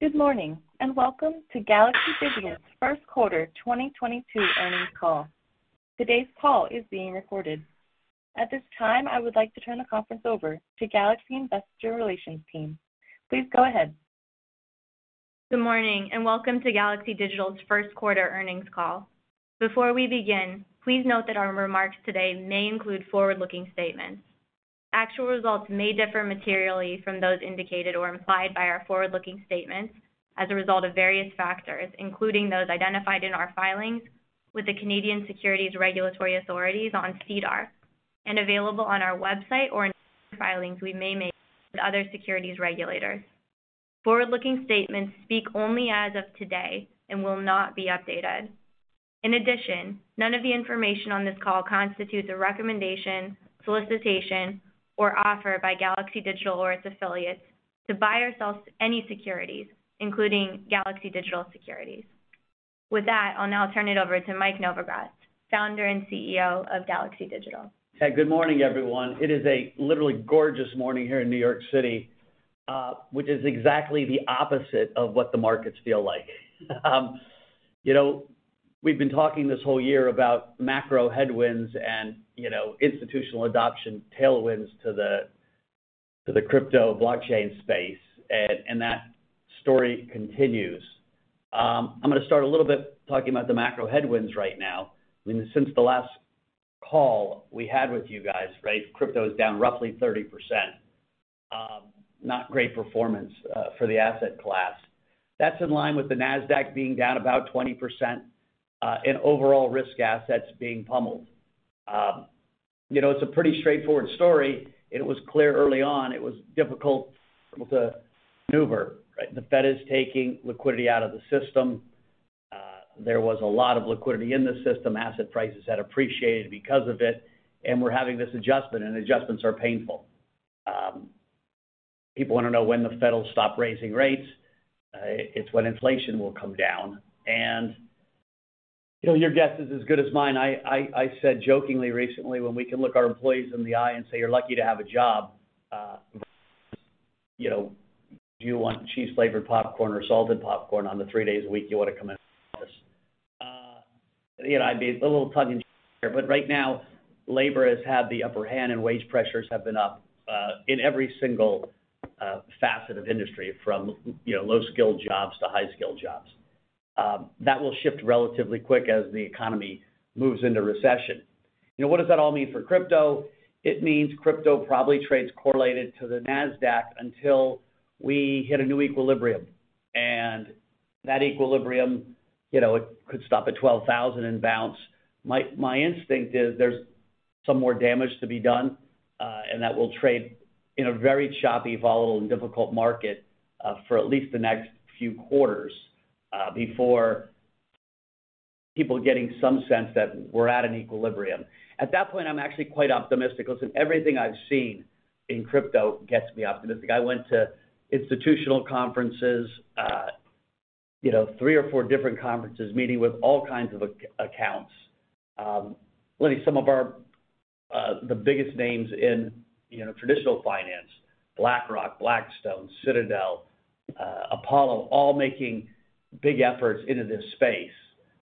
Good morning, and welcome to Galaxy Digital's first quarter 2022 earnings call. Today's call is being recorded. At this time, I would like to turn the conference over to Galaxy Investor Relations team. Please go ahead. Good morning, and welcome to Galaxy Digital's first quarter earnings call. Before we begin, please note that our remarks today may include forward-looking statements. Actual results may differ materially from those indicated or implied by our forward-looking statements as a result of various factors, including those identified in our filings with the Canadian Securities Regulatory Authorities on SEDAR, and available on our website or in filings we may make with other securities regulators. Forward-looking statements speak only as of today and will not be updated. In addition, none of the information on this call constitutes a recommendation, solicitation, or offer by Galaxy Digital or its affiliates to buy or sell any securities, including Galaxy Digital securities. With that, I'll now turn it over to Mike Novogratz, Founder and CEO of Galaxy Digital. Hey, good morning, everyone. It is a literally gorgeous morning here in New York City, which is exactly the opposite of what the markets feel like. You know, we've been talking this whole year about macro headwinds and, you know, institutional adoption tailwinds to the crypto blockchain space, and that story continues. I'm gonna start a little bit talking about the macro headwinds right now. I mean, since the last call we had with you guys, right? Crypto is down roughly 30%. Not great performance for the asset class. That's in line with the Nasdaq being down about 20%, and overall risk assets being pummeled. You know, it's a pretty straightforward story. It was clear early on it was difficult to maneuver, right? The Fed is taking liquidity out of the system. There was a lot of liquidity in the system. Asset prices had appreciated because of it, and we're having this adjustment, and adjustments are painful. People wanna know when the Fed will stop raising rates. It's when inflation will come down. You know, your guess is as good as mine. I said jokingly recently when we can look our employees in the eye and say, "You're lucky to have a job," you know, do you want cheese-flavored popcorn or salted popcorn on the three days a week you wanna come into office? You know, I'd be a little tongue-in-cheek, but right now, labor has had the upper hand, and wage pressures have been up in every single facet of industry from, you know, low-skilled jobs to high-skilled jobs. That will shift relatively quick as the economy moves into recession. You know, what does that all mean for crypto? It means crypto probably trades correlated to the Nasdaq until we hit a new equilibrium. That equilibrium, you know, it could stop at 12,000 and bounce. My instinct is there's some more damage to be done, and that will trade in a very choppy, volatile, and difficult market, for at least the next few quarters, before people getting some sense that we're at an equilibrium. At that point, I'm actually quite optimistic. Listen, everything I've seen in crypto gets me optimistic. I went to institutional conferences, you know, three or four different conferences, meeting with all kinds of accounts. Really some of our, the biggest names in, you know, traditional finance, BlackRock, Blackstone, Citadel, Apollo, all making big efforts into this space,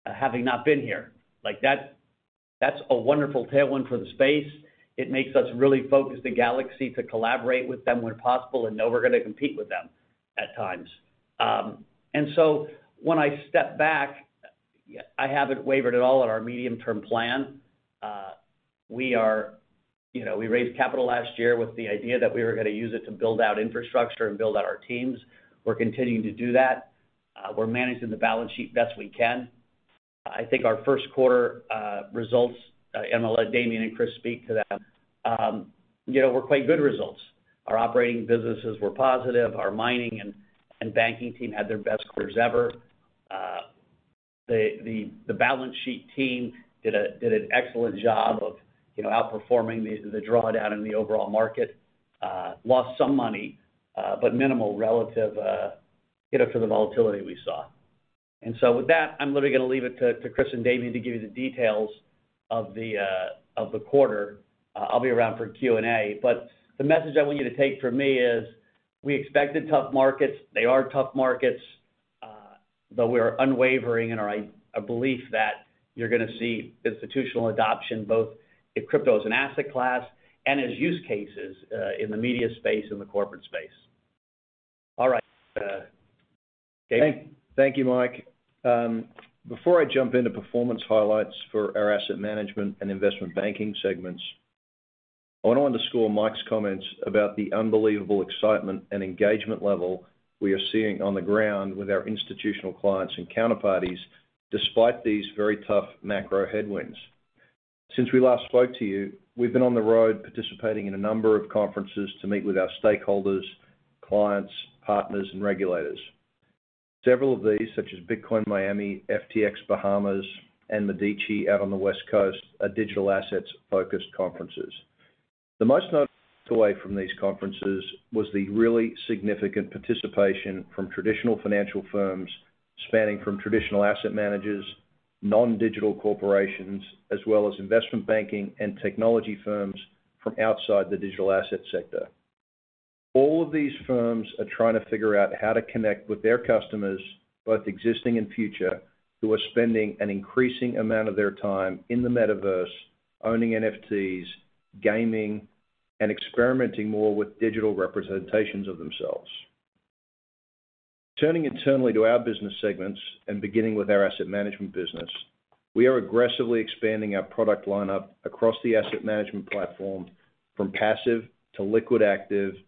having not been here. Like that's a wonderful tailwind for the space. It makes us really focus the Galaxy to collaborate with them when possible and know we're gonna compete with them at times. When I step back, I haven't wavered at all on our medium-term plan. You know, we raised capital last year with the idea that we were gonna use it to build out infrastructure and build out our teams. We're continuing to do that. We're managing the balance sheet best we can. I think our first quarter results, and I'll let Damien and Chris speak to that. You know, were quite good results. Our operating businesses were positive. Our mining and banking team had their best quarters ever. The balance sheet team did an excellent job of, you know, outperforming the drawdown in the overall market. Lost some money, but minimal relative, you know, to the volatility we saw. With that, I'm literally gonna leave it to Chris and Damien to give you the details of the quarter. I'll be around for Q&A. The message I want you to take from me is we expected tough markets. They are tough markets, but we are unwavering in our belief that you're gonna see institutional adoption both in crypto as an asset class and as use cases in the media space and the corporate space. All right, Damien. Thank you, Mike. Before I jump into performance highlights for our asset management and investment banking segments, I wanna underscore Mike's comments about the unbelievable excitement and engagement level we are seeing on the ground with our institutional clients and counterparties despite these very tough macro headwinds. Since we last spoke to you, we've been on the road participating in a number of conferences to meet with our stakeholders, clients, partners, and regulators. Several of these, such as Bitcoin Miami, FTX Bahamas, and Medici out on the West Coast, are digital assets-focused conferences. The most notable takeaway from these conferences was the really significant participation from traditional financial firms spanning from traditional asset managers, non-digital corporations, as well as investment banking and technology firms from outside the digital asset sector. All of these firms are trying to figure out how to connect with their customers, both existing and future, who are spending an increasing amount of their time in the metaverse, owning NFTs, gaming, and experimenting more with digital representations of themselves. Turning internally to our business segments, and beginning with our asset management business, we are aggressively expanding our product lineup across the asset management platform from passive to liquid active, to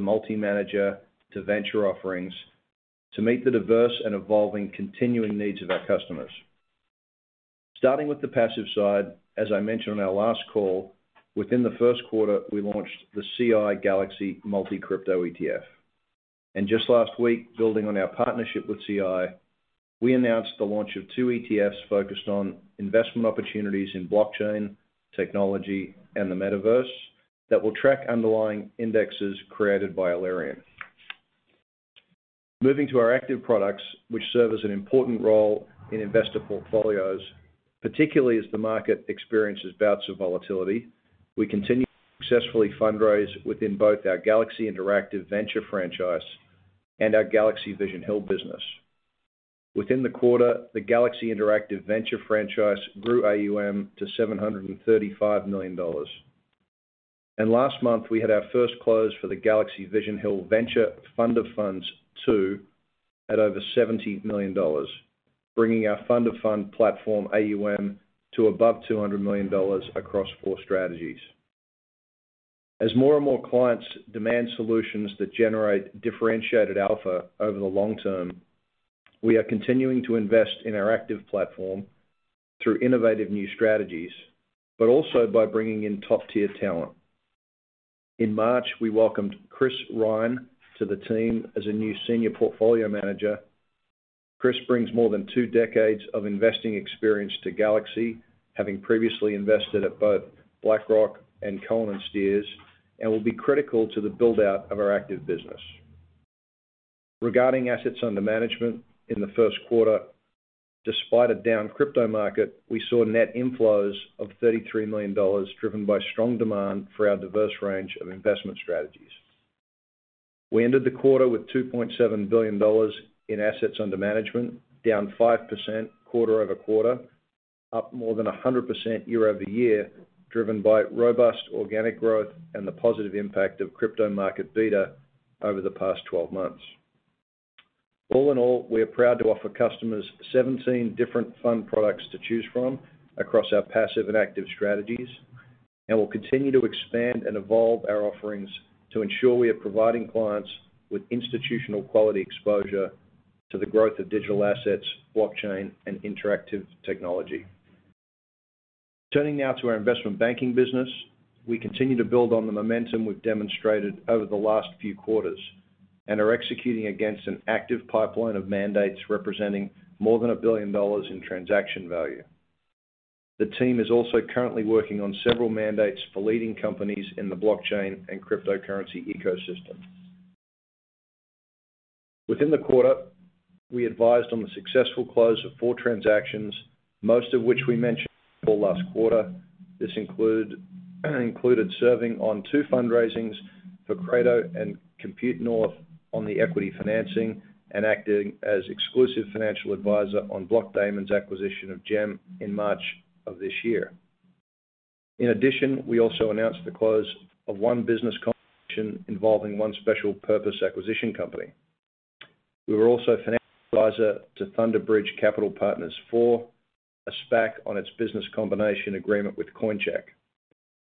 multi-manager, to venture offerings to meet the diverse and evolving continuing needs of our customers. Starting with the passive side, as I mentioned on our last call, within the first quarter, we launched the CI Galaxy Multi-Crypto ETF. Just last week, building on our partnership with CI, we announced the launch of two ETFs focused on investment opportunities in blockchain, technology, and the metaverse that will track underlying indexes created by Alerian. Moving to our active products, which serve as an important role in investor portfolios, particularly as the market experiences bouts of volatility, we continue to successfully fundraise within both our Galaxy Interactive venture franchise and our Galaxy Vision Hill business. Within the quarter, the Galaxy Interactive venture franchise grew AUM to $735 million. Last month, we had our first close for the Galaxy Vision Hill Venture Fund of Funds II at over $70 million, bringing our fund of fund platform AUM to above $200 million across four strategies. As more and more clients demand solutions that generate differentiated alpha over the long term, we are continuing to invest in our active platform through innovative new strategies, but also by bringing in top-tier talent. In March, we welcomed Chris Rhine to the team as a new senior portfolio manager. Chris brings more than two decades of investing experience to Galaxy, having previously invested at both BlackRock and Cohen & Steers, and will be critical to the build-out of our active business. Regarding assets under management in the first quarter, despite a down crypto market, we saw net inflows of $33 million, driven by strong demand for our diverse range of investment strategies. We ended the quarter with $2.7 billion in assets under management, down 5% quarter-over-quarter, up more than 100% year-over-year, driven by robust organic growth and the positive impact of crypto market beta over the past 12 months. All in all, we are proud to offer customers 17 different fund products to choose from across our passive and active strategies, and we'll continue to expand and evolve our offerings to ensure we are providing clients with institutional quality exposure to the growth of digital assets, blockchain, and interactive technology. Turning now to our investment banking business, we continue to build on the momentum we've demonstrated over the last few quarters and are executing against an active pipeline of mandates representing more than $1 billion in transaction value. The team is also currently working on several mandates for leading companies in the blockchain and cryptocurrency ecosystem. Within the quarter, we advised on the successful close of four transactions, most of which we mentioned last quarter. This included serving on two fundraisings for Qredo and Compute North on the equity financing, and acting as exclusive financial advisor on Blockdaemon's acquisition of Gem in March of this year. In addition, we also announced the close of one business combination involving one special purpose acquisition company. We were also financial advisor to Thunder Bridge Capital Partners IV, a SPAC, on its business combination agreement with Coincheck.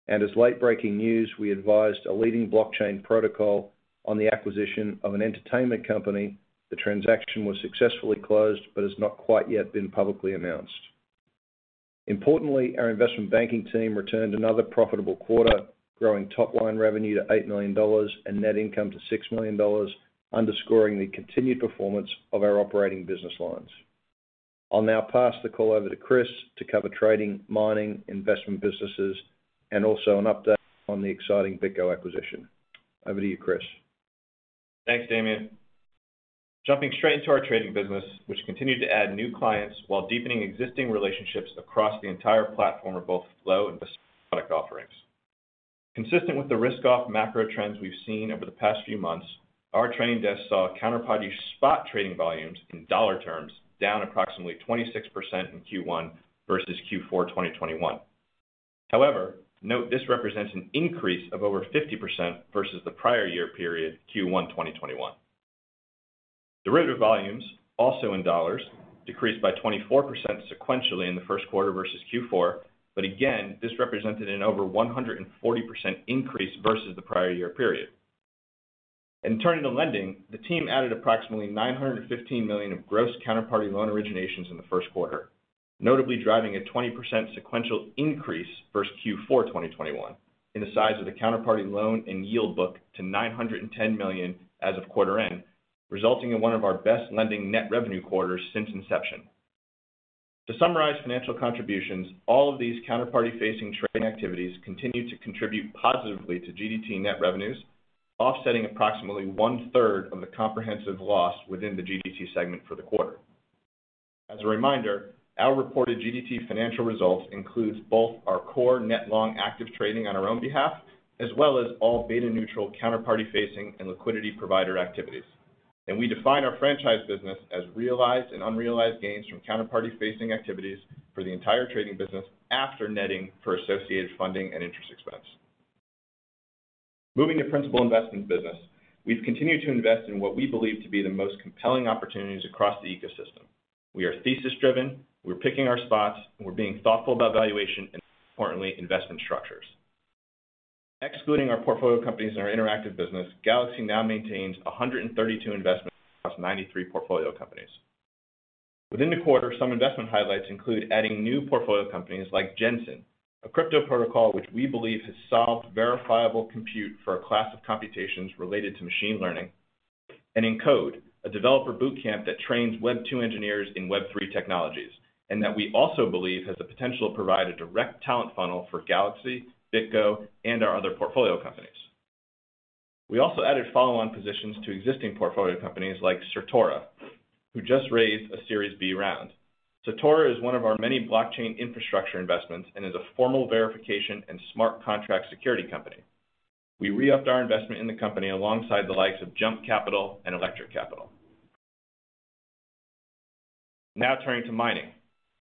As late-breaking news, we advised a leading blockchain protocol on the acquisition of an entertainment company. The transaction was successfully closed, but has not quite yet been publicly announced. Importantly, our investment banking team returned another profitable quarter, growing top line revenue to $8 million and net income to $6 million, underscoring the continued performance of our operating business lines. I'll now pass the call over to Chris to cover trading, mining, investment businesses, and also an update on the exciting BitGo acquisition. Over to you, Chris. Thanks, Damien. Jumping straight into our trading business, which continued to add new clients while deepening existing relationships across the entire platform of both flow and product offerings. Consistent with the risk-off macro trends we've seen over the past few months, our trading desk saw counterparty spot trading volumes in dollar terms down approximately 26% in Q1 versus Q4, 2021. However, note this represents an increase of over 50% versus the prior year period, Q1, 2021. Derivative volumes, also in dollars, decreased by 24% sequentially in the first quarter versus Q4. Again, this represented an over 140% increase versus the prior year period. Turning to lending, the team added approximately $915 million of gross counterparty loan originations in the first quarter, notably driving a 20% sequential increase versus Q4 2021 in the size of the counterparty loan and yield book to $910 million as of quarter end, resulting in one of our best lending net revenue quarters since inception. To summarize financial contributions, all of these counterparty-facing trading activities continue to contribute positively to GDT net revenues, offsetting approximately 1/3 of the comprehensive loss within the GDT segment for the quarter. As a reminder, our reported GDT financial results includes both our core net long active trading on our own behalf, as well as all beta neutral counterparty-facing and liquidity provider activities. We define our franchise business as realized and unrealized gains from counterparty-facing activities for the entire trading business after netting for associated funding and interest expense. Moving to principal investments business, we've continued to invest in what we believe to be the most compelling opportunities across the ecosystem. We are thesis-driven, we're picking our spots, and we're being thoughtful about valuation and, more importantly, investment structures. Excluding our portfolio companies in our interactive business, Galaxy now maintains 132 investments across 93 portfolio companies. Within the quarter, some investment highlights include adding new portfolio companies like Gensyn, a crypto protocol which we believe has solved verifiable compute for a class of computations related to machine learning. Encode Club, a developer bootcamp that trains Web2 engineers in Web3 technologies, and that we also believe has the potential to provide a direct talent funnel for Galaxy, BitGo, and our other portfolio companies. We also added follow-on positions to existing portfolio companies like Certora, who just raised a Series B round. Certora is one of our many blockchain infrastructure investments and is a formal verification and smart contract security company. We re-upped our investment in the company alongside the likes of Jump Capital and Electric Capital. Now turning to mining.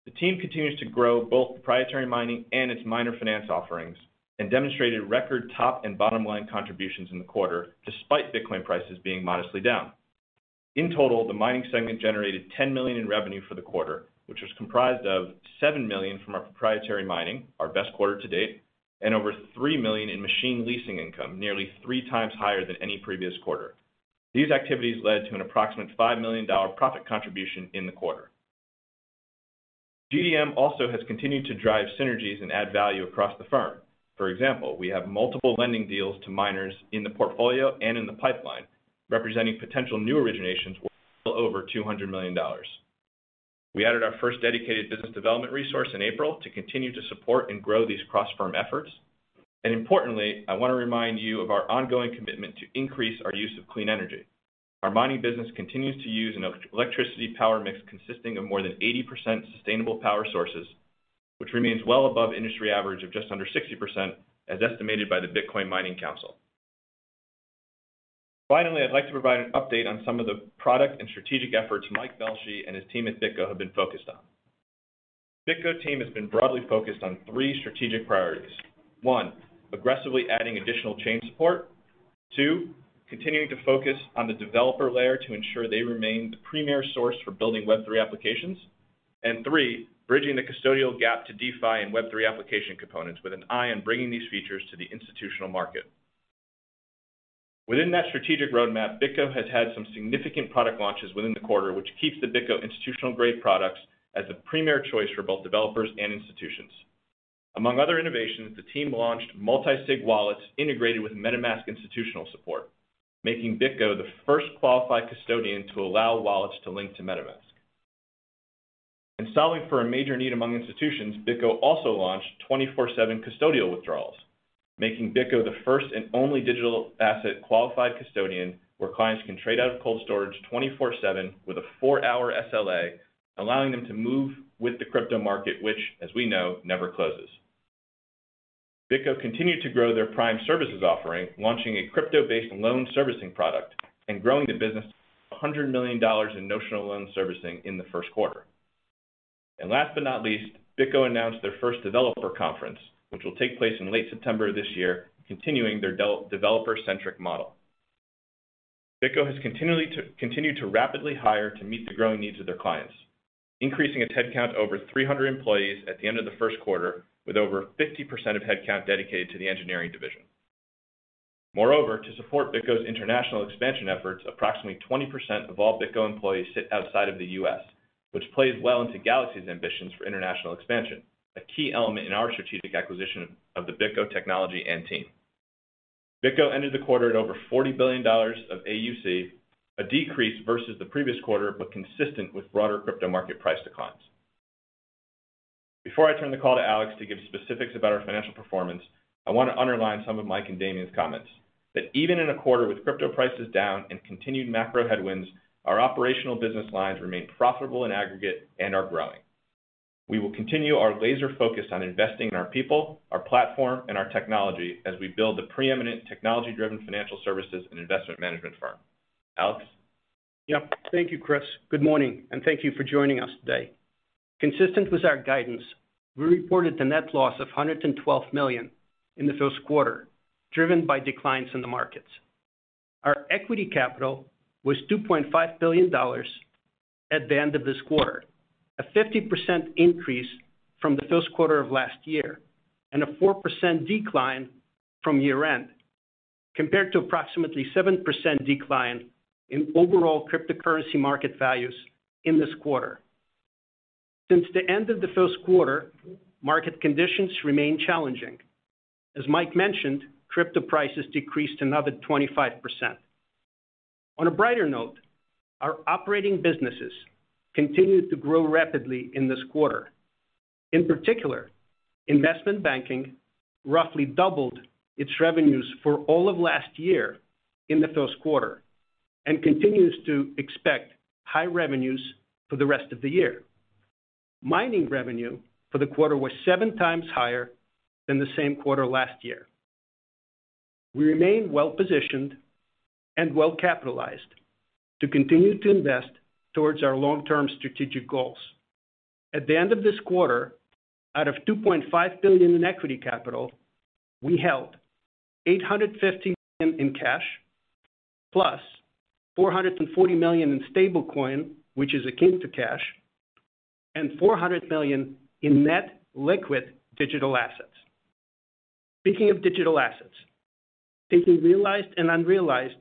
The team continues to grow both proprietary mining and its miner finance offerings, and demonstrated record top and bottom line contributions in the quarter despite Bitcoin prices being modestly down. In total, the mining segment generated $10 million in revenue for the quarter, which was comprised of $7 million from our proprietary mining, our best quarter to date, and over $3 million in machine leasing income, nearly three times higher than any previous quarter. These activities led to an approximate $5 million profit contribution in the quarter. GDM also has continued to drive synergies and add value across the firm. For example, we have multiple lending deals to miners in the portfolio and in the pipeline, representing potential new originations worth a little over $200 million. We added our first dedicated business development resource in April to continue to support and grow these cross-firm efforts. Importantly, I want to remind you of our ongoing commitment to increase our use of clean energy. Our mining business continues to use an electricity power mix consisting of more than 80% sustainable power sources, which remains well above industry average of just under 60%, as estimated by the Bitcoin Mining Council. Finally, I'd like to provide an update on some of the product and strategic efforts Mike Belshe and his team at BitGo have been focused on. BitGo team has been broadly focused on three strategic priorities. One, aggressively adding additional chain support. Two, continuing to focus on the developer layer to ensure they remain the premier source for building Web3 applications. Three, bridging the custodial gap to DeFi and Web3 application components with an eye on bringing these features to the institutional market. Within that strategic roadmap, BitGo has had some significant product launches within the quarter, which keeps the BitGo institutional-grade products as the premier choice for both developers and institutions. Among other innovations, the team launched multisig wallets integrated with MetaMask institutional support, making BitGo the first qualified custodian to allow wallets to link to MetaMask. In solving for a major need among institutions, BitGo also launched 24/7 custodial withdrawals, making BitGo the first and only digital asset qualified custodian where clients can trade out of cold storage 24/7 with a 4-hour SLA, allowing them to move with the crypto market, which, as we know, never closes. BitGo continued to grow their prime services offering, launching a crypto-based loan servicing product and growing the business to $100 million in notional loan servicing in the first quarter. Last but not least, BitGo announced their first developer conference, which will take place in late September this year, continuing their developer-centric model. BitGo has continued to rapidly hire to meet the growing needs of their clients, increasing its headcount over 300 employees at the end of the first quarter, with over 50% of headcount dedicated to the engineering division. Moreover, to support BitGo's international expansion efforts, approximately 20% of all BitGo employees sit outside of the U.S., which plays well into Galaxy's ambitions for international expansion, a key element in our strategic acquisition of the BitGo technology and team. BitGo ended the quarter at over $40 billion of AUC, a decrease versus the previous quarter, but consistent with broader crypto market price declines. Before I turn the call to Alex to give specifics about our financial performance, I want to underline some of Mike and Damien's comments, that even in a quarter with crypto prices down and continued macro headwinds, our operational business lines remain profitable in aggregate and are growing. We will continue our laser focus on investing in our people, our platform, and our technology as we build the preeminent technology-driven financial services and investment management firm. Alex? Yeah. Thank you, Chris. Good morning, and thank you for joining us today. Consistent with our guidance, we reported a net loss of $112 million in the first quarter, driven by declines in the markets. Our equity capital was $2.5 billion at the end of this quarter, a 50% increase from the first quarter of last year, and a 4% decline from year-end, compared to approximately 7% decline in overall cryptocurrency market values in this quarter. Since the end of the first quarter, market conditions remain challenging. As Mike mentioned, crypto prices decreased another 25%. On a brighter note, our operating businesses continued to grow rapidly in this quarter. In particular, investment banking roughly doubled its revenues for all of last year in the first quarter and continues to expect high revenues for the rest of the year. Mining revenue for the quarter was 7 times higher than the same quarter last year. We remain well-positioned and well-capitalized to continue to invest towards our long-term strategic goals. At the end of this quarter, out of $2.5 billion in equity capital, we held $850 million in cash, plus $440 million in stablecoin, which is akin to cash, and $400 million in net liquid digital assets. Speaking of digital assets, taking realized and unrealized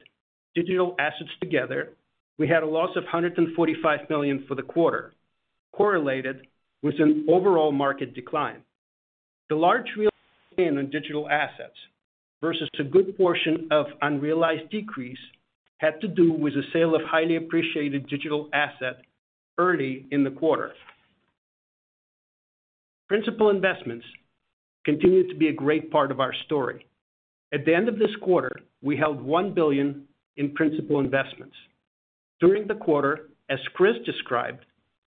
digital assets together, we had a loss of $145 million for the quarter, correlated with an overall market decline. The large loss in digital assets versus a good portion of unrealized decrease had to do with the sale of highly appreciated digital asset early in the quarter. Principal investments continued to be a great part of our story. At the end of this quarter, we held $1 billion in principal investments. During the quarter, as Chris described,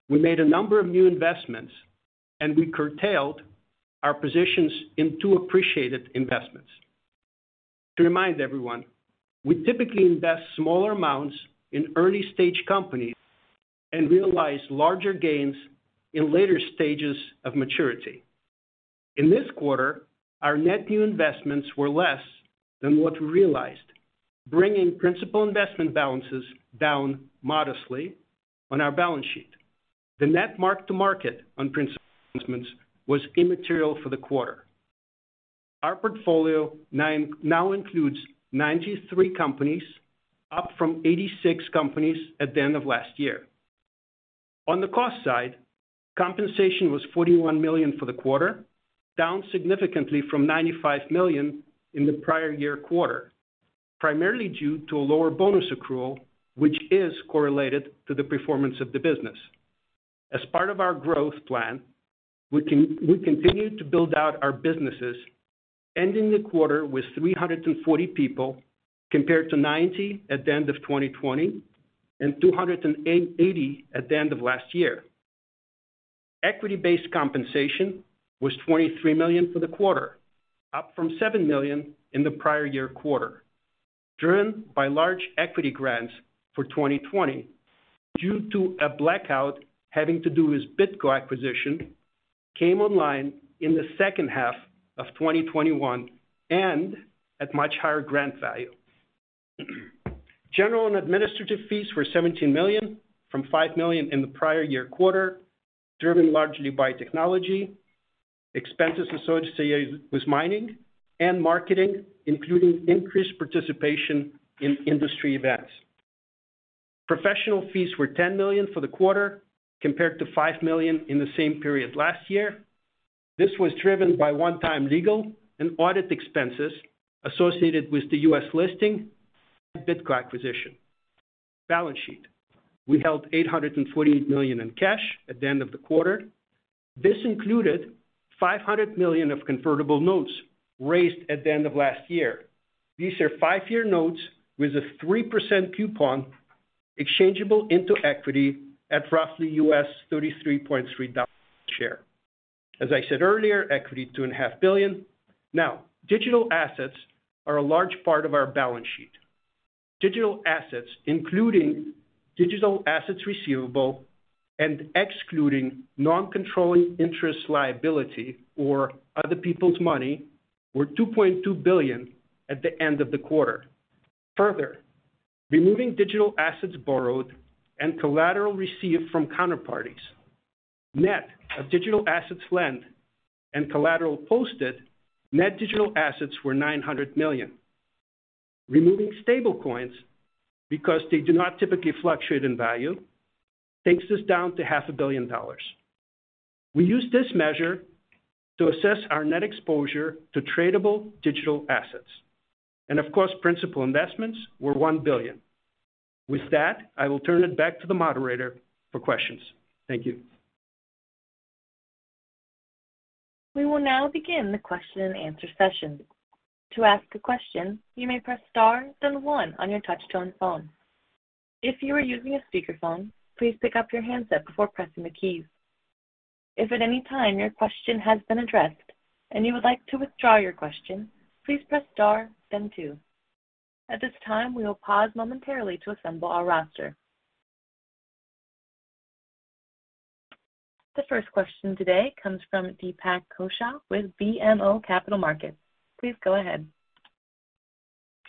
we made a number of new investments, and we curtailed our positions in two appreciated investments. To remind everyone, we typically invest smaller amounts in early-stage companies and realize larger gains in later stages of maturity. In this quarter, our net new investments were less than what we realized, bringing principal investment balances down modestly on our balance sheet. The net mark to market on principal investments was immaterial for the quarter. Our portfolio now includes 93 companies, up from 86 companies at the end of last year. On the cost side, compensation was $41 million for the quarter, down significantly from $95 million in the prior year quarter, primarily due to a lower bonus accrual, which is correlated to the performance of the business. As part of our growth plan, we continued to build out our businesses, ending the quarter with 340 people compared to 90 at the end of 2020 and 280 at the end of last year. Equity-based compensation was $23 million for the quarter, up from $7 million in the prior year quarter, driven by large equity grants for 2020 due to a blackout having to do with BitGo acquisition came online in the second half of 2021 and at much higher grant value. General and administrative fees were $17 million from $5 million in the prior year quarter, driven largely by technology expenses associated with mining and marketing, including increased participation in industry events. Professional fees were $10 million for the quarter, compared to $5 million in the same period last year. This was driven by one-time legal and audit expenses associated with the U.S. listing BitGo acquisition. Balance sheet. We held $848 million in cash at the end of the quarter. This included $500 million of convertible notes raised at the end of last year. These are 5-year notes with a 3% coupon exchangeable into equity at roughly $33.3 a share. As I said earlier, equity, $2.5 billion. Now, digital assets are a large part of our balance sheet. Digital assets, including digital assets receivable and excluding non-controlling interest liability or other people's money, were $2.2 billion at the end of the quarter. Further, removing digital assets borrowed and collateral received from counterparties, net of digital assets lent and collateral posted, net digital assets were $900 million. Removing stablecoins, because they do not typically fluctuate in value, takes us down to half a billion dollars. We use this measure to assess our net exposure to tradable digital assets. Of course, principal investments were $1 billion. With that, I will turn it back to the moderator for questions. Thank you. We will now begin the question and answer session. To ask a question, you may press star then one on your touchtone phone. If you are using a speakerphone, please pick up your handset before pressing the keys. If at any time your question has been addressed and you would like to withdraw your question, please press star then two. At this time, we will pause momentarily to assemble our roster. The first question today comes from Deepak Kaushal with BMO Capital Markets. Please go ahead.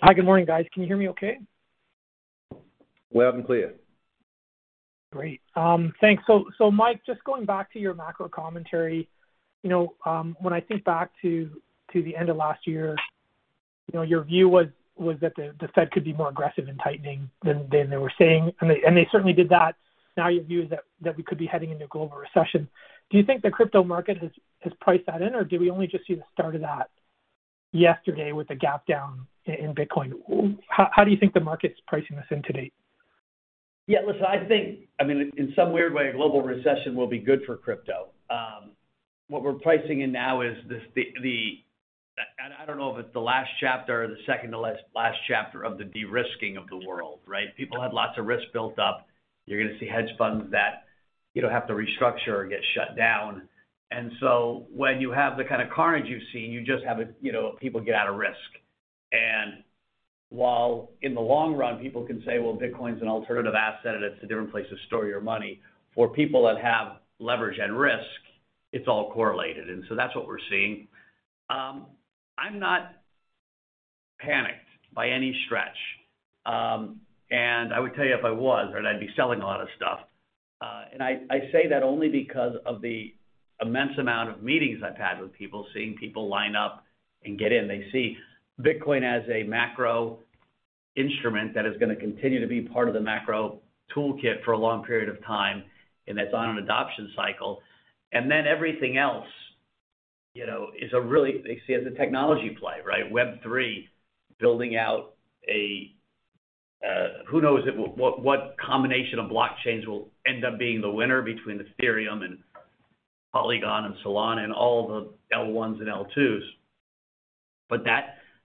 Hi. Good morning, guys. Can you hear me okay? Loud and clear. Great. Thanks. Mike, just going back to your macro commentary, you know, when I think back to the end of last year, you know, your view was that the Fed could be more aggressive in tightening than they were saying. They certainly did that. Now your view is that we could be heading into global recession. Do you think the crypto market has priced that in, or did we only just see the start of that? Yesterday with the gap down in Bitcoin, how do you think the market's pricing this in today? Yeah, listen, I think I mean, in some weird way, a global recession will be good for crypto. What we're pricing in now is this, I don't know if it's the last chapter or the second to last chapter of the de-risking of the world, right? People had lots of risk built up. You're gonna see hedge funds that, you know, have to restructure or get shut down. When you have the kind of carnage you've seen, you just have, you know, people get out of risk. While in the long run people can say, "Well, Bitcoin's an alternative asset and it's a different place to store your money," for people that have leverage and risk, it's all correlated. That's what we're seeing. I'm not panicked by any stretch. I would tell you if I was, right, I'd be selling a lot of stuff. I say that only because of the immense amount of meetings I've had with people, seeing people line up and get in. They see Bitcoin as a macro instrument that is gonna continue to be part of the macro toolkit for a long period of time, and that's on an adoption cycle. Everything else, you know, is really they see as a technology play, right? Web3 building out a, who knows at what combination of blockchains will end up being the winner between Ethereum and Polygon and Solana and all the L1s and L2s.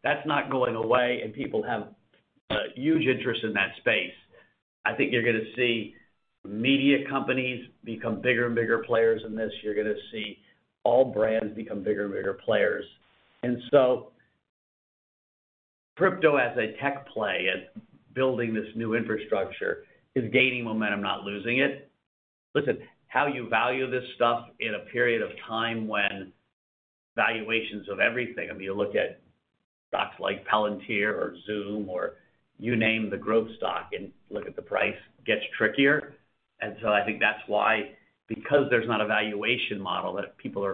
That's not going away, and people have a huge interest in that space. I think you're gonna see media companies become bigger and bigger players in this. You're gonna see all brands become bigger and bigger players. Crypto as a tech play and building this new infrastructure is gaining momentum, not losing it. Listen, how you value this stuff in a period of time when valuations of everything, I mean, you look at stocks like Palantir or Zoom or you name the growth stock and look at the price, gets trickier. I think that's why, because there's not a valuation model that people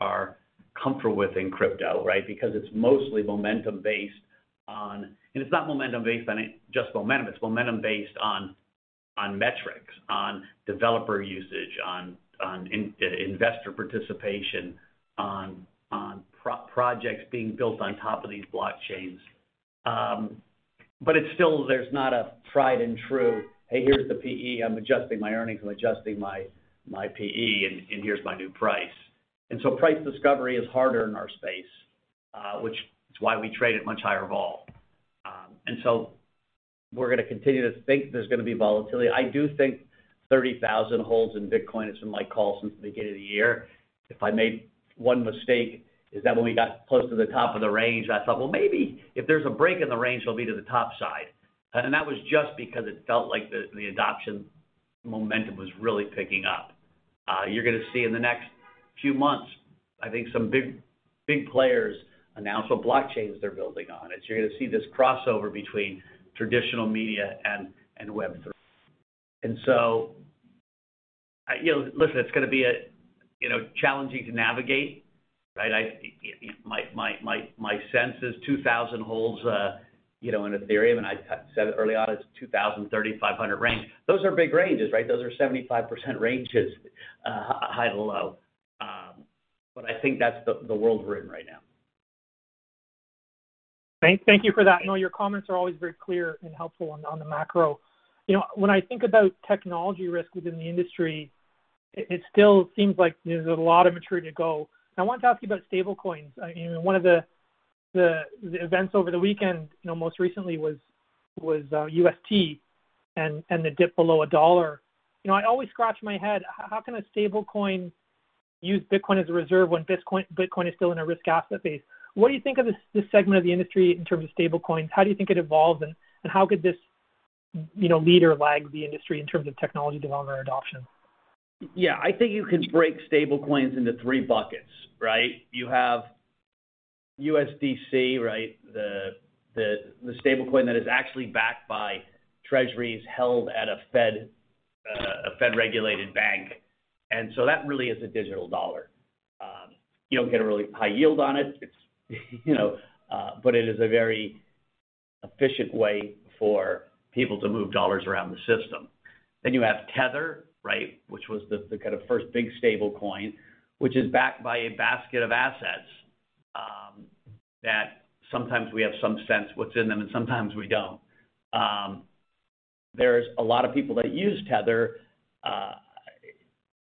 are comfortable with in crypto, right? Because it's mostly momentum-based on and it's not momentum-based on just momentum, it's momentum-based on metrics, on developer usage, on institutional investor participation, on proper projects being built on top of these blockchains. But it's still there's not a tried and true, "Hey, here's the PE. I'm adjusting my earnings, I'm adjusting my PE and here's my new price. Price discovery is harder in our space, which is why we trade at much higher vol. We're gonna continue to think there's gonna be volatility. I do think 30,000 holds in Bitcoin. It's been my call since the beginning of the year. If I made one mistake, is that when we got close to the top of the range, I thought, "Well, maybe if there's a break in the range, it'll be to the top side." That was just because it felt like the adoption momentum was really picking up. You're gonna see in the next few months, I think, some big players announce what blockchains they're building on. You're gonna see this crossover between traditional media and Web3. You know, listen, it's gonna be, you know, challenging to navigate, right? My sense is 2,000 holds, you know, in Ethereum, and I said early on it's 2,000-3,500 range. Those are big ranges, right? Those are 75% ranges, high to low. But I think that's the world we're in right now. Thank you for that. No, your comments are always very clear and helpful on the macro. You know, when I think about technology risk within the industry, it still seems like there's a lot of maturity to go. I want to ask you about stablecoins. I mean, one of the events over the weekend, you know, most recently was UST and the dip below a dollar. You know, I always scratch my head, how can a stablecoin use Bitcoin as a reserve when Bitcoin is still in a risk asset phase? What do you think of this segment of the industry in terms of stablecoins? How do you think it evolves, and how could this, you know, lead or lag the industry in terms of technology development or adoption? Yeah. I think you can break stablecoins into three buckets, right? You have USDC, right? The stablecoin that is actually backed by treasuries held at a Fed-regulated bank. That really is a digital dollar. You don't get a really high yield on it. It's a very efficient way for people to move dollars around the system. You have Tether, right? Which was the kind of first big stablecoin, which is backed by a basket of assets that sometimes we have some sense what's in them and sometimes we don't. There's a lot of people that use Tether.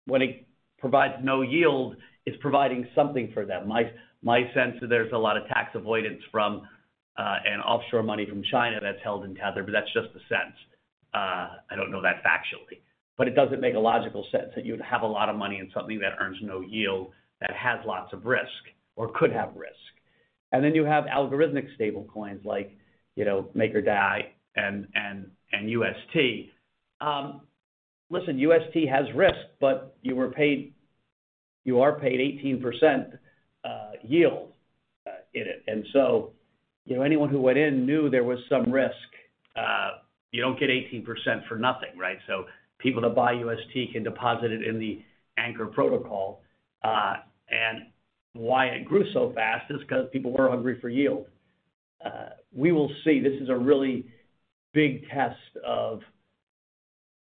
When it provides no yield, it's providing something for them. My sense is there's a lot of tax avoidance and offshore money from China that's held in Tether, but that's just a sense. I don't know that factually. It doesn't make logical sense that you'd have a lot of money in something that earns no yield, that has lots of risk or could have risk. You have algorithmic stablecoins like, you know, Maker or Dai and UST. Listen, UST has risk, but you are paid 18% yield in it. You know, anyone who went in knew there was some risk. You don't get 18% for nothing, right? People that buy UST can deposit it in the Anchor Protocol. Why it grew so fast is 'cause people were hungry for yield. We will see. This is a really big test of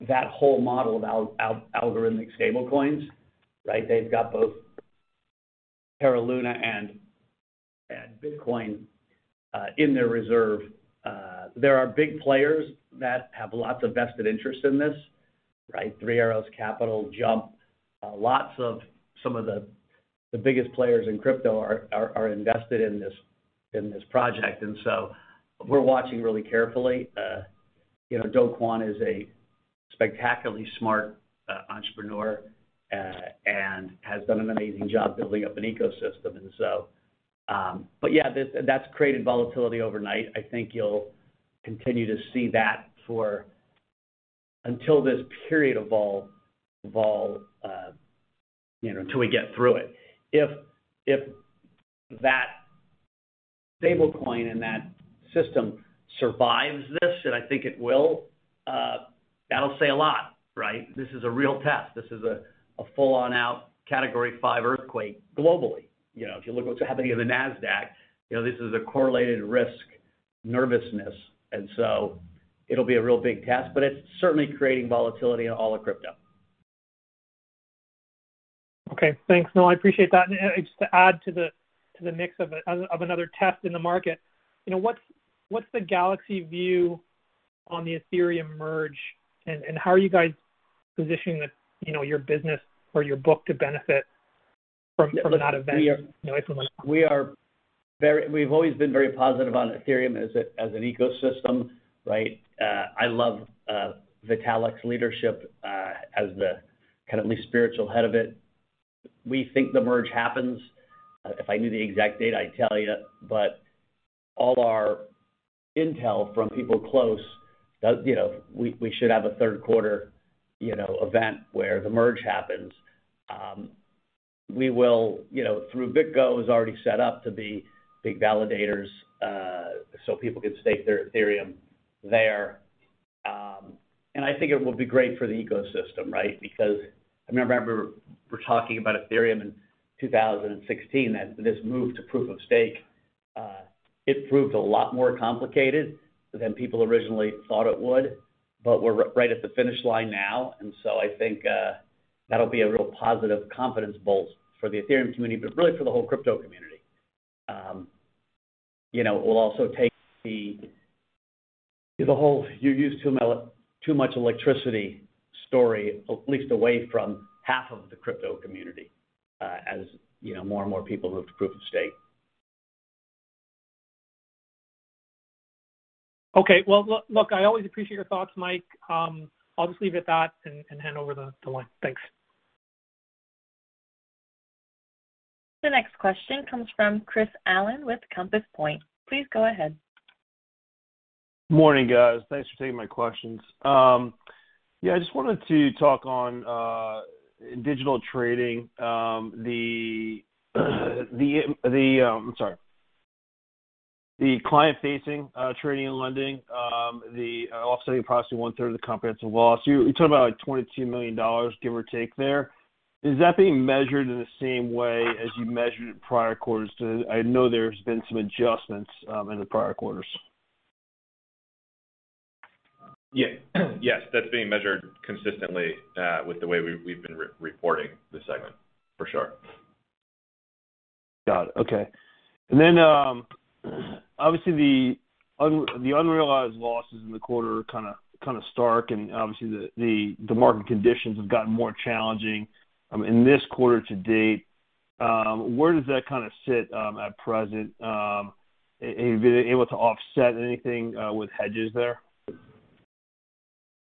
that whole model of algorithmic stablecoins, right? They've got both Terra Luna and Bitcoin in their reserve. There are big players that have lots of vested interest in this, right? Three Arrows Capital, Jump, lots of some of the biggest players in crypto are invested in this project. We're watching really carefully. You know, Do Kwon is a spectacularly smart entrepreneur and has done an amazing job building up an ecosystem. Yeah, that's created volatility overnight. I think you'll continue to see that for until this period of volatility, you know, until we get through it. If that stablecoin and that system survives this, and I think it will, that'll say a lot, right? This is a real test. This is a full-on category five earthquake globally. You know, if you look what's happening in the Nasdaq, you know, this is a correlated risk nervousness. It'll be a real big test, but it's certainly creating volatility in all of crypto. Okay, thanks. No, I appreciate that. Just to add to the mix of another test in the market, you know, what's the Galaxy view on the Ethereum Merge? How are you guys positioning your business or your book to benefit from that event, you know, if and when it comes? We've always been very positive on Ethereum as an ecosystem, right? I love Vitalik's leadership as the kind of spiritual head of it. We think the Merge happens. If I knew the exact date, I'd tell you. All of our intel from people close that, you know, we should have a third quarter, you know, event where the Merge happens. We will, you know, through BitGo is already set up to be big validators, so people can stake their Ethereum there. I think it will be great for the ecosystem, right? Because I remember we were talking about Ethereum in 2016, that this move to proof of stake, it proved a lot more complicated than people originally thought it would, but we're right at the finish line now. I think that'll be a real positive confidence boost for the Ethereum community, but really for the whole crypto community. You know, it will also take the whole uses too much electricity story at least away from half of the crypto community, as you know, more and more people move to proof of stake. Okay. Well, look, I always appreciate your thoughts, Mike. I'll just leave it at that and hand over the line. Thanks. The next question comes from Chris Allen with Compass Point. Please go ahead. Morning, guys. Thanks for taking my questions. Yeah, I just wanted to talk on in digital trading the client-facing trading and lending the offsetting approximately one-third of the comprehensive loss. I'm sorry. You're talking about $22 million, give or take there. Is that being measured in the same way as you measured it in prior quarters? I know there's been some adjustments in the prior quarters. Yeah. Yes, that's being measured consistently with the way we've been re-reporting the segment, for sure. Got it. Okay. Then, obviously the unrealized losses in the quarter are kinda stark, and obviously the market conditions have gotten more challenging in this quarter to date. Where does that kinda sit at present? Are you able to offset anything with hedges there?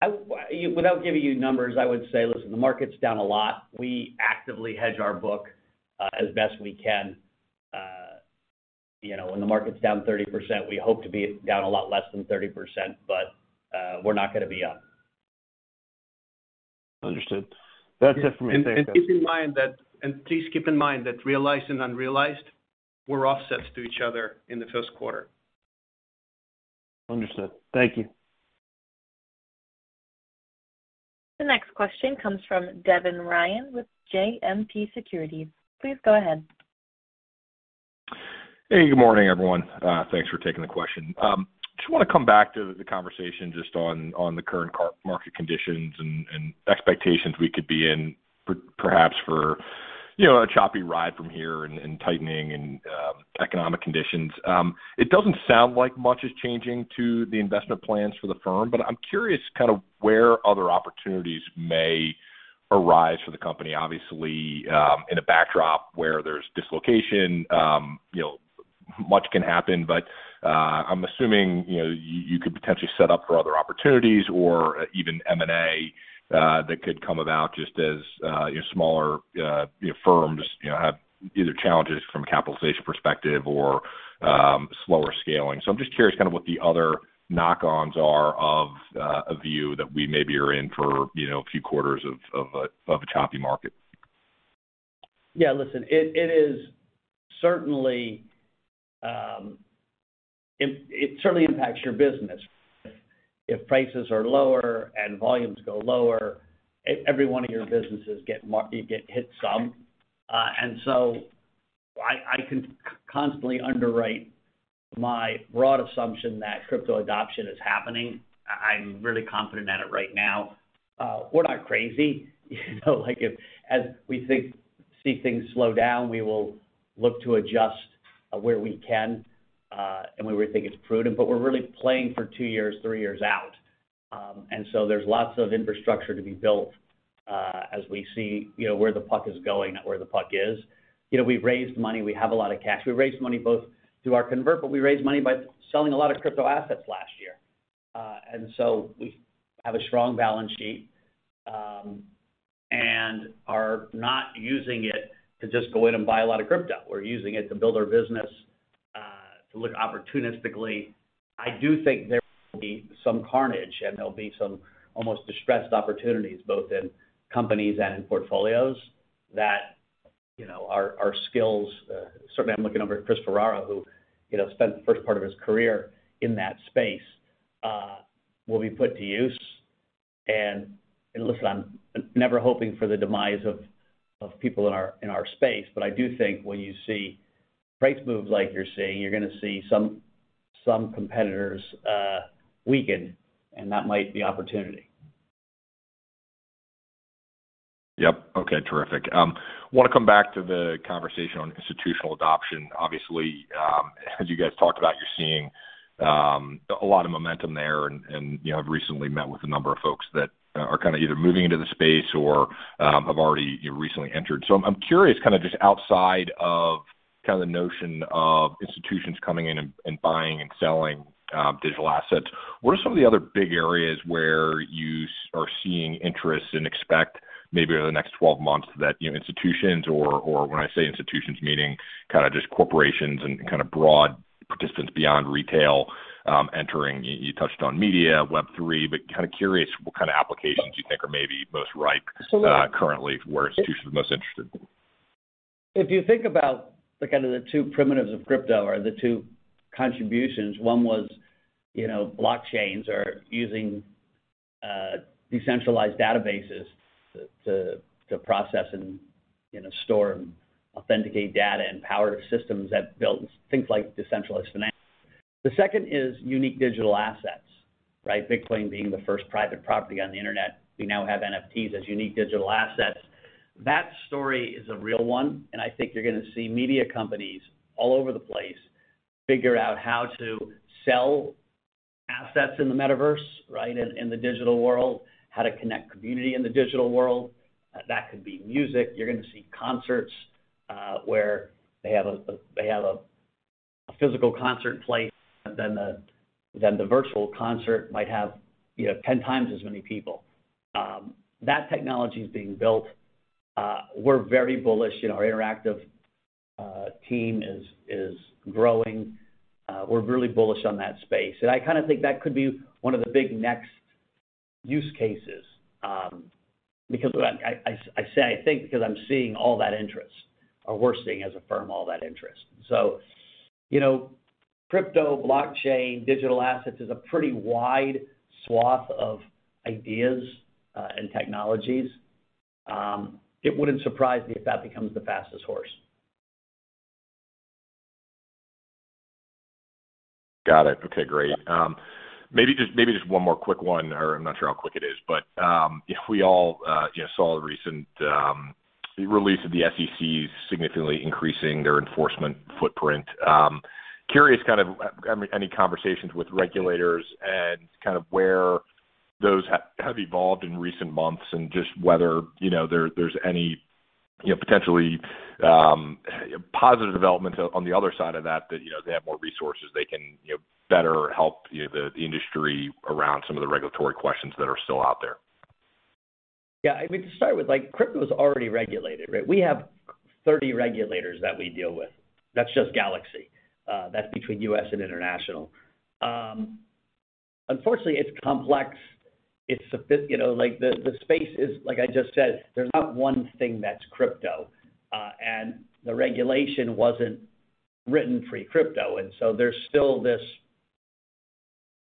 Without giving you numbers, I would say, listen, the market's down a lot. We actively hedge our book, as best we can. You know, when the market's down 30%, we hope to be down a lot less than 30%, but we're not gonna be up. Understood. That's it for me. Thank you. Please keep in mind that realized and unrealized were offsets to each other in the first quarter. Understood. Thank you. The next question comes from Devin Ryan with JMP Securities. Please go ahead. Hey, good morning, everyone. Thanks for taking the question. Just wanna come back to the conversation just on the current crypto market conditions and expectations we could be in perhaps for, you know, a choppy ride from here and tightening and economic conditions. It doesn't sound like much is changing to the investment plans for the firm, but I'm curious kind of where other opportunities may arise for the company. Obviously, in a backdrop where there's dislocation, you know, much can happen. I'm assuming, you know, you could potentially set up for other opportunities or even M&A that could come about just as, you know, smaller, you know, firms, you know, have either challenges from a capitalization perspective or slower scaling. I'm just curious kind of what the other knock-ons are of a view that we maybe are in for, you know, a few quarters of a choppy market. Yeah. Listen, it certainly impacts your business if prices are lower and volumes go lower. Every one of your businesses, you get hit some. I can constantly underwrite my broad assumption that crypto adoption is happening. I'm really confident in it right now. We're not crazy. You know, like if as we see things slow down, we will look to adjust where we can and where we think it's prudent. We're really playing for two years, three years out. There's lots of infrastructure to be built as we see, you know, where the puck is going, not where the puck is. You know, we've raised money, we have a lot of cash. We've raised money both through our convertible, but we raised money by selling a lot of crypto assets last year. We have a strong balance sheet, and are not using it to just go in and buy a lot of crypto. We're using it to build our business, to look opportunistically. I do think there will be some carnage, and there'll be some almost distressed opportunities both in companies and in portfolios that our skills certainly I'm looking over at Chris Ferraro, who spent the first part of his career in that space, will be put to use. Listen, I'm never hoping for the demise of people in our space. I do think when you see price moves like you're seeing, you're gonna see some competitors weaken, and that might be opportunity. Yep. Okay, terrific. Wanna come back to the conversation on institutional adoption. Obviously, as you guys talked about, you're seeing a lot of momentum there and, you know, I've recently met with a number of folks that are kinda either moving into the space or have already, you know, recently entered. So I'm curious, kinda just outside of kinda the notion of institutions coming in and buying and selling digital assets, what are some of the other big areas where you are seeing interest and expect maybe over the next twelve months that, you know, institutions or when I say institutions, meaning kinda just corporations and kinda broad participants beyond retail, entering. You touched on media, Web3, but kinda curious what kinda applications you think are maybe most ripe currently where institutions are most interested. If you think about the kind of the two primitives of crypto or the two contributions, one was, you know, blockchains or using decentralized databases to process and, you know, store and authenticate data and power systems that build things like decentralized finance. The second is unique digital assets, right? Bitcoin being the first private property on the internet. We now have NFTs as unique digital assets. That story is a real one, and I think you're gonna see media companies all over the place figure out how to sell assets in the metaverse, right, in the digital world, how to connect community in the digital world. That could be music. You're gonna see concerts where they have a physical concert in place, and then the virtual concert might have, you know, 10 times as many people. That technology is being built. We're very bullish. You know, our interactive team is growing. We're really bullish on that space. I kinda think that could be one of the big next use cases, because I say I think because I'm seeing all that interest, or we're seeing as a firm all that interest. You know, crypto, blockchain, digital assets is a pretty wide swath of ideas and technologies. It wouldn't surprise me if that becomes the fastest horse. Got it. Okay, great. Maybe just one more quick one, or I'm not sure how quick it is. We all, you know, saw the recent release of the SEC significantly increasing their enforcement footprint. Curious kind of any conversations with regulators and kind of where those have evolved in recent months, and just whether, you know, there's any, you know, potentially positive developments on the other side of that you know, they have more resources, they can, you know, better help, you know, the industry around some of the regulatory questions that are still out there. Yeah. I mean, to start with, like, crypto is already regulated, right? We have 30 regulators that we deal with. That's just Galaxy. That's between U.S. and international. Unfortunately, it's complex. You know, like, the space is, like I just said, there's not one thing that's crypto, and the regulation wasn't written for crypto. There's still this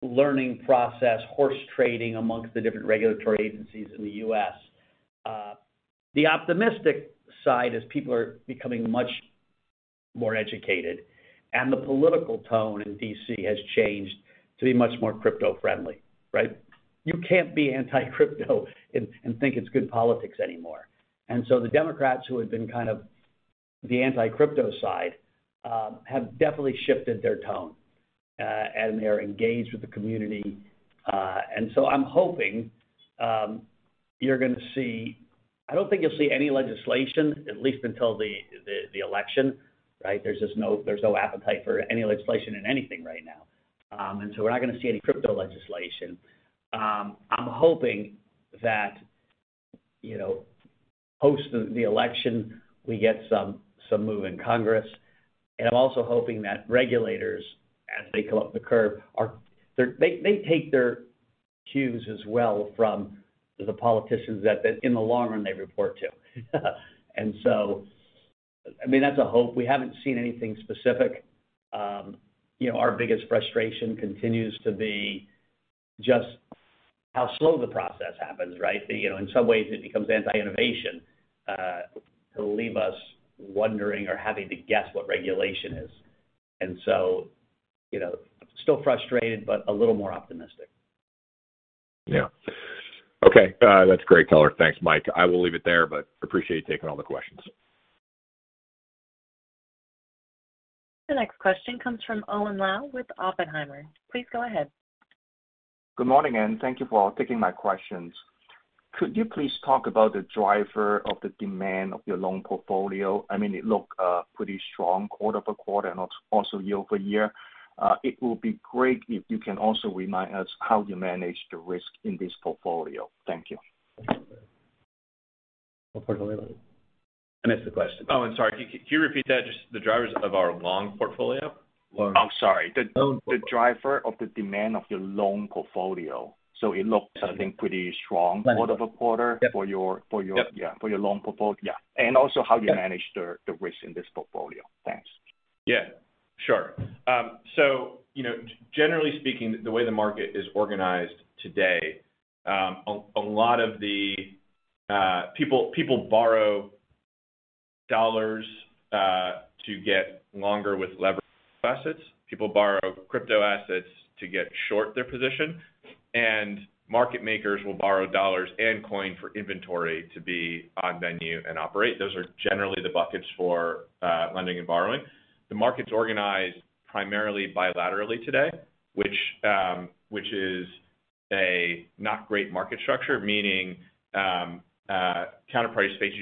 learning process, horse trading amongst the different regulatory agencies in the U.S. The optimistic side is people are becoming much more educated, and the political tone in D.C. has changed to be much more crypto friendly, right? You can't be anti-crypto and think it's good politics anymore. The Democrats who had been kind of the anti-crypto side have definitely shifted their tone, and they are engaged with the community. I'm hoping you're gonna see. I don't think you'll see any legislation at least until the election, right? There's just no appetite for any legislation in anything right now. We're not gonna see any crypto legislation. I'm hoping that, you know, post the election, we get some move in Congress. I'm also hoping that regulators, as they come up the curve, they take their cues as well from the politicians that in the long run they report to. I mean, that's a hope. We haven't seen anything specific. You know, our biggest frustration continues to be just how slow the process happens, right? That, you know, in some ways it becomes anti-innovation to leave us wondering or having to guess what regulation is. You know, still frustrated, but a little more optimistic. Yeah. Okay. That's great color. Thanks, Mike. I will leave it there, but appreciate you taking all the questions. The next question comes from Owen Lau with Oppenheimer. Please go ahead. Good morning, and thank you for taking my questions. Could you please talk about the driver of the demand of your loan portfolio? I mean, it look pretty strong quarter-over-quarter and also year-over-year. It will be great if you can also remind us how you manage the risk in this portfolio. Thank you. What portfolio? I missed the question. Oh, I'm sorry. Can you repeat that? Just the drivers of our long portfolio? Loan. I'm sorry. The driver of the demand of your loan portfolio. It looks, I think, pretty strong quarter-over-quarter. Yep. For your Yep. Yeah. Also how you manage the risk in this portfolio. Thanks. Yeah, sure. So, you know, generally speaking, the way the market is organized today, a lot of the people borrow dollars to get longer with levered assets. People borrow crypto assets to get short their position, and market makers will borrow dollars and coin for inventory to be on venue and operate. Those are generally the buckets for lending and borrowing. The market's organized primarily bilaterally today, which is not a great market structure, meaning counterparties face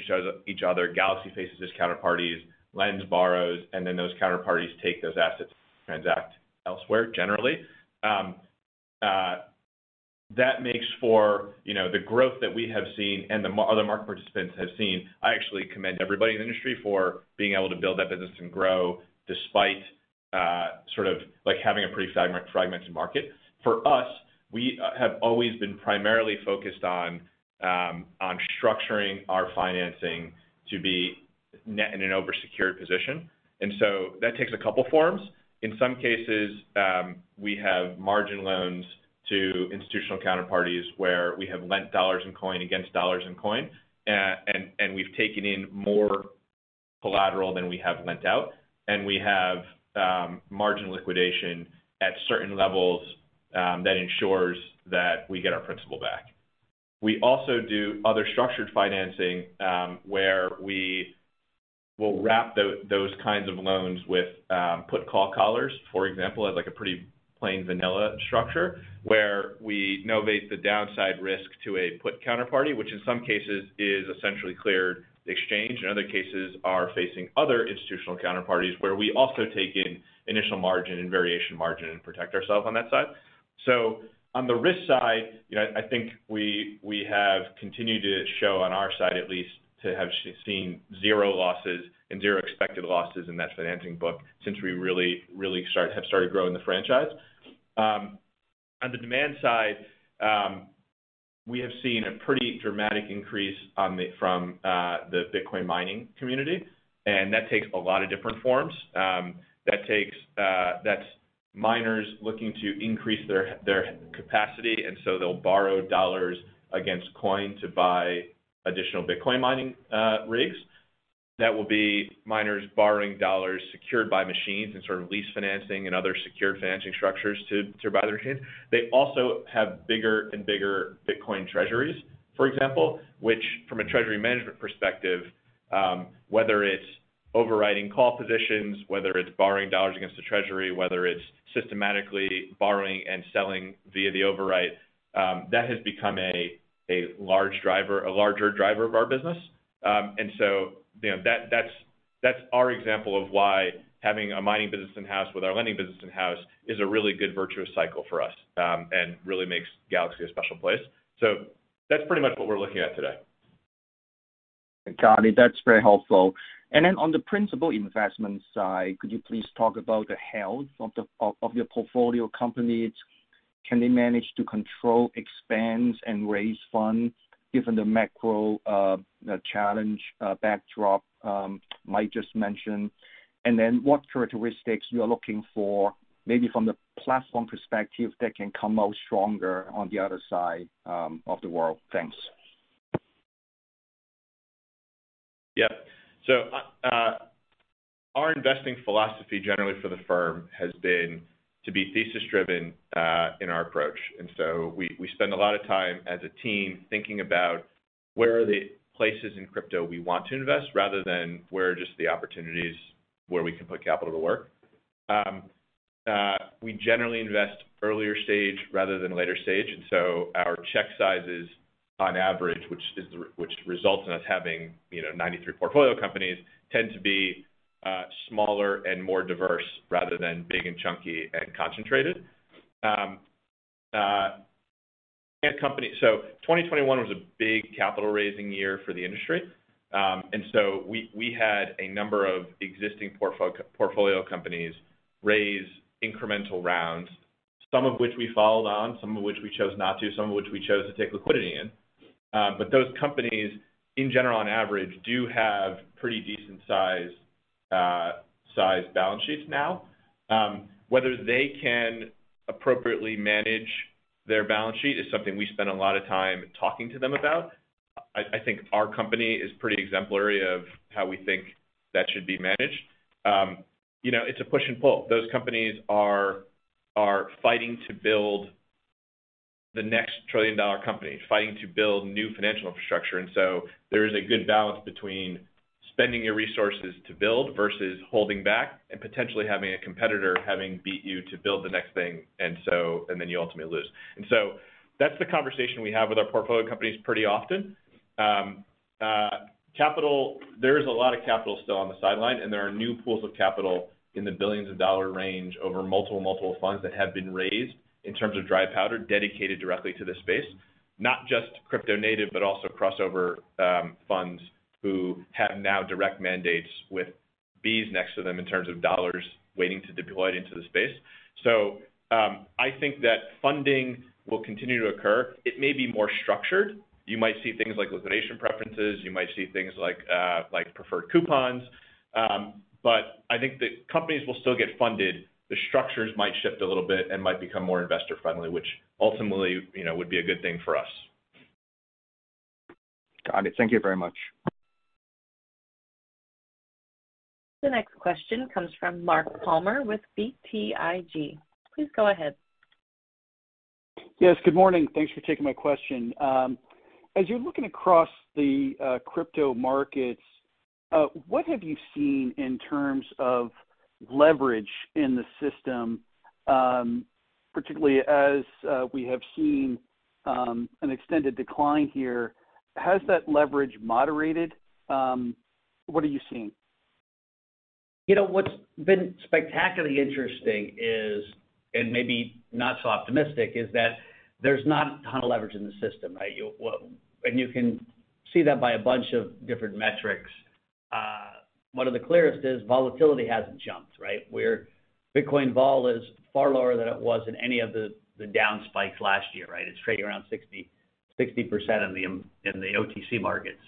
each other. Galaxy faces its counterparties, lends, borrows, and then those counterparties take those assets and transact elsewhere generally. That makes for, you know, the growth that we have seen and other market participants have seen. I actually commend everybody in the industry for being able to build that business and grow despite sort of like having a pretty fragmented market. For us, we have always been primarily focused on structuring our financing to be net in an oversecured position, and so that takes a couple forms. In some cases, we have margin loans to institutional counterparties where we have lent dollars and coin against dollars and coin, and we've taken in more collateral than we have lent out, and we have margin liquidation at certain levels that ensures that we get our principal back. We also do other structured financing, where we will wrap those kinds of loans with put/call collars, for example, as like a pretty plain vanilla structure, where we novate the downside risk to a put counterparty, which in some cases is essentially cleared exchange. In other cases are facing other institutional counterparties, where we also take in initial margin and variation margin and protect ourselves on that side. On the risk side, you know, I think we have continued to show on our side at least to have seen zero losses and zero expected losses in that financing book since we really have started growing the franchise. On the demand side, we have seen a pretty dramatic increase from the Bitcoin mining community, and that takes a lot of different forms. That's miners looking to increase their capacity, and so they'll borrow dollars against coin to buy additional Bitcoin mining rigs. That will be miners borrowing dollars secured by machines and sort of lease financing and other secured financing structures to buy their machines. They also have bigger and bigger Bitcoin treasuries, for example, which from a treasury management perspective, whether it's overwriting call positions, whether it's borrowing dollars against the treasury, whether it's systematically borrowing and selling via the overwrite, that has become a larger driver of our business. You know, that's our example of why having a mining business in-house with our lending business in-house is a really good virtuous cycle for us, and really makes Galaxy a special place. That's pretty much what we're looking at today. Got it. That's very helpful. On the principal investment side, could you please talk about the health of your portfolio companies? Can they manage to control expense and raise funds given the macro challenge backdrop Mike just mentioned? What characteristics you are looking for, maybe from the platform perspective, that can come out stronger on the other side of the world? Thanks. Our investing philosophy generally for the firm has been to be thesis-driven in our approach. We spend a lot of time as a team thinking about where are the places in crypto we want to invest, rather than where are just the opportunities where we can put capital to work. We generally invest earlier stage rather than later stage, and so our check sizes on average, which results in us having, you know, 93 portfolio companies, tend to be smaller and more diverse rather than big and chunky and concentrated. 2021 was a big capital raising year for the industry. We had a number of existing portfolio companies raise incremental rounds, some of which we followed on, some of which we chose not to, some of which we chose to take liquidity in. Those companies in general, on average, do have pretty decent size balance sheets now. Whether they can appropriately manage their balance sheet is something we spend a lot of time talking to them about. I think our company is pretty exemplary of how we think that should be managed. You know, it's a push and pull. Those companies are fighting to build the next trillion-dollar company, fighting to build new financial infrastructure. There is a good balance between spending your resources to build versus holding back and potentially having a competitor having beat you to build the next thing, and so, and then you ultimately lose. That's the conversation we have with our portfolio companies pretty often. There is a lot of capital still on the sideline, and there are new pools of capital in the billions of dollars range over multiple funds that have been raised in terms of dry powder dedicated directly to this space. Not just crypto native, but also crossover funds who have now direct mandates with Bs next to them in terms of dollars waiting to deploy into the space. I think that funding will continue to occur. It may be more structured. You might see things like liquidation preferences. You might see things like like preferred coupons. But I think the companies will still get funded. The structures might shift a little bit and might become more investor-friendly, which ultimately, you know, would be a good thing for us. Got it. Thank you very much. The next question comes from Mark Palmer with BTIG. Please go ahead. Yes, good morning. Thanks for taking my question. As you're looking across the crypto markets, what have you seen in terms of leverage in the system, particularly as we have seen an extended decline here? Has that leverage moderated? What are you seeing? You know, what's been spectacularly interesting is, and maybe not so optimistic, is that there's not a ton of leverage in the system, right? You can see that by a bunch of different metrics. One of the clearest is volatility hasn't jumped, right? Bitcoin vol is far lower than it was in any of the down spikes last year, right? It's trading around 60% in the OTC markets.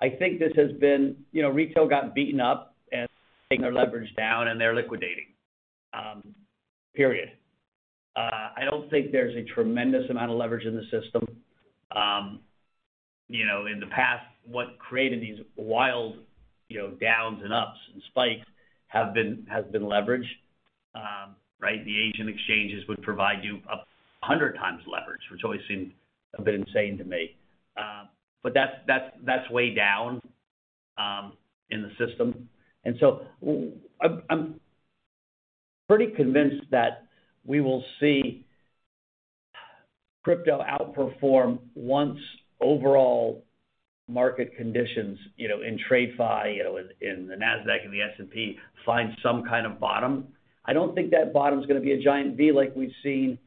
I think this has been, you know, retail got beaten up and taking their leverage down, and they're liquidating, period. I don't think there's a tremendous amount of leverage in the system. You know, in the past, what created these wild, you know, downs and ups and spikes has been leverage. Right? The Asian exchanges would provide you 100 times leverage, which always seemed a bit insane to me. That's way down in the system. I'm pretty convinced that we will see crypto outperform once overall market conditions, you know, in TradeFi, you know, in the Nasdaq and the S&P find some kind of bottom. I don't think that bottom's gonna be a giant V like we've seen,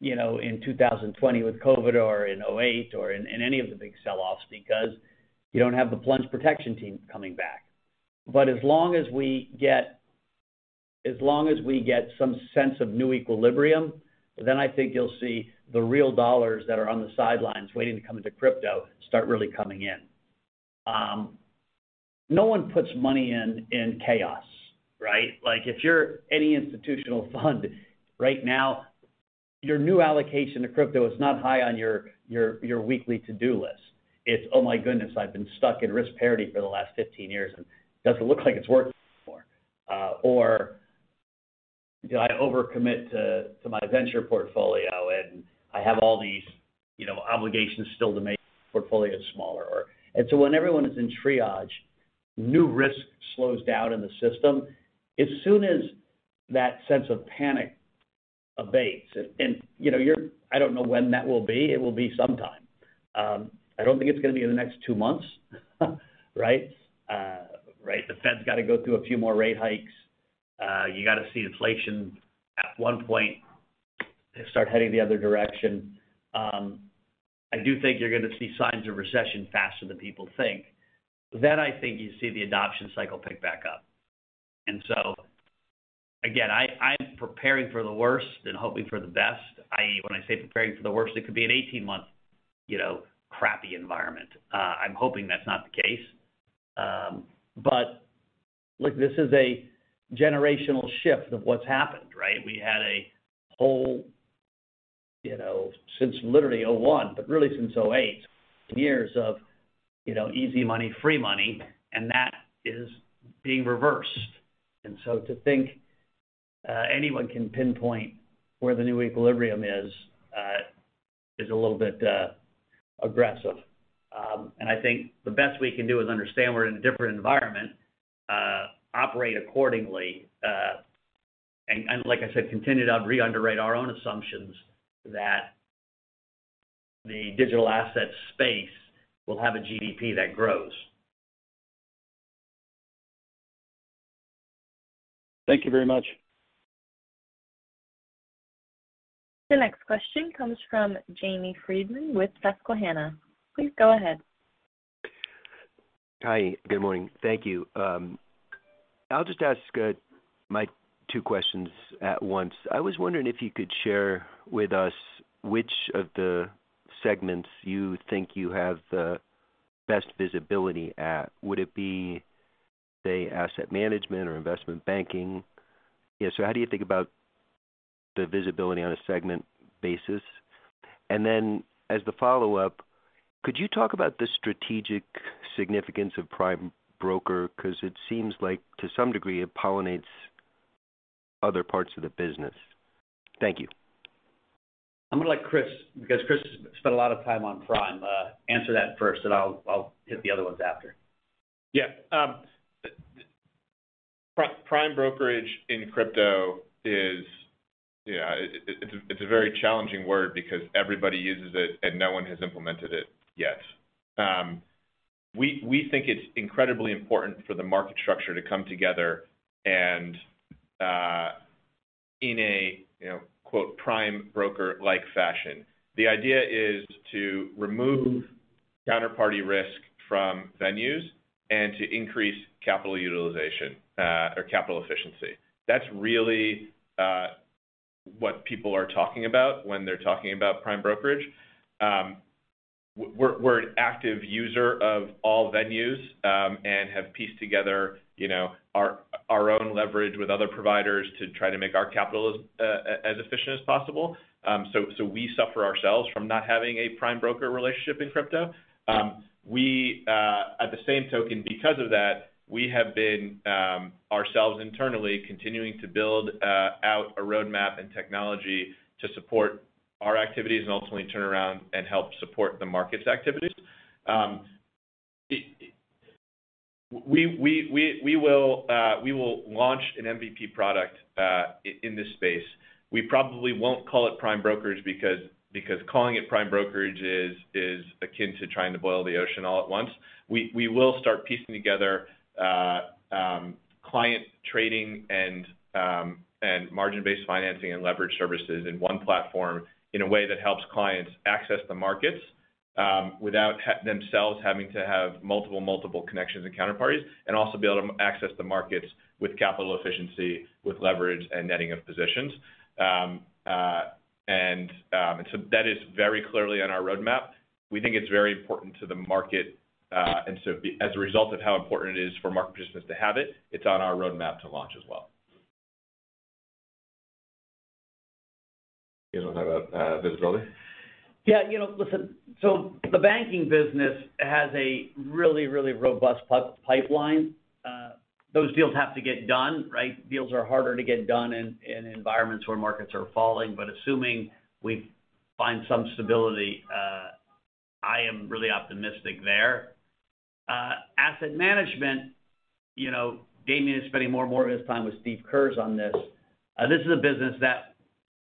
you know, in 2020 with COVID or in 2008 or in any of the big sell-offs because you don't have the plunge protection team coming back. As long as we get some sense of new equilibrium, then I think you'll see the real dollars that are on the sidelines waiting to come into crypto start really coming in. No one puts money in chaos, right? Like, if you're any institutional fund right now, your new allocation to crypto is not high on your weekly to-do list. It's, "Oh my goodness, I've been stuck in risk parity for the last 15 years, and it doesn't look like it's working anymore." Or, "Did I over-commit to my venture portfolio, and I have all these, you know, obligations still to make portfolios smaller?" When everyone is in triage, new risk slows down in the system. As soon as that sense of panic abates, and, you know, I don't know when that will be. It will be some time. I don't think it's gonna be in the next two months, right? Right. The Fed's gotta go through a few more rate hikes. You gotta see inflation at one point start heading the other direction. I do think you're gonna see signs of recession faster than people think. I think you see the adoption cycle pick back up. Again, I'm preparing for the worst and hoping for the best. i.e., when I say preparing for the worst, it could be an 18-month, you know, crappy environment. I'm hoping that's not the case. Look, this is a generational shift of what's happened, right? We had a whole, you know, since literally 2001, but really since 2008, years of, you know, easy money, free money, and that is being reversed. To think anyone can pinpoint where the new equilibrium is is a little bit aggressive. I think the best we can do is understand we're in a different environment, operate accordingly, and like I said, continue to re-underwrite our own assumptions that the digital asset space will have a GDP that grows. Thank you very much. The next question comes from Jamie Friedman with Susquehanna. Please go ahead. Hi, good morning. Thank you. I'll just ask my two questions at once. I was wondering if you could share with us which of the segments you think you have the best visibility at. Would it be, say, asset management or investment banking? Yeah. How do you think about the visibility on a segment basis? As the follow-up, could you talk about the strategic significance of prime brokerage? Because it seems like to some degree it pollinates other parts of the business. Thank you. I'm gonna let Chris, because Chris has spent a lot of time on prime, answer that first, and I'll hit the other ones after. Yeah. Prime brokerage in crypto is, you know, it's a very challenging word because everybody uses it and no one has implemented it yet. We think it's incredibly important for the market structure to come together and, in a, you know, quote, "prime broker-like" fashion. The idea is to remove counterparty risk from venues and to increase capital utilization, or capital efficiency. That's really what people are talking about when they're talking about prime brokerage. We're an active user of all venues, and have pieced together, you know, our own leverage with other providers to try to make our capital as efficient as possible. We suffer ourselves from not having a prime broker relationship in crypto. At the same token, because of that, we have been ourselves internally continuing to build out a roadmap and technology to support our activities and ultimately turn around and help support the market's activities. We will launch an MVP product in this space. We probably won't call it prime brokerage because calling it prime brokerage is akin to trying to boil the ocean all at once. We will start piecing together client trading and margin-based financing and leverage services in one platform in a way that helps clients access the markets without themselves having to have multiple connections and counterparties, and also be able to access the markets with capital efficiency, with leverage and netting of positions. That is very clearly on our roadmap. We think it's very important to the market. As a result of how important it is for market participants to have it's on our roadmap to launch as well. You wanna talk about visibility? Yeah, you know, listen, the banking business has a really, really robust pipeline. Those deals have to get done, right? Deals are harder to get done in environments where markets are falling. Assuming we find some stability, I am really optimistic there. Asset management, you know, Damien is spending more and more of his time with Steve Kurz on this. This is a business that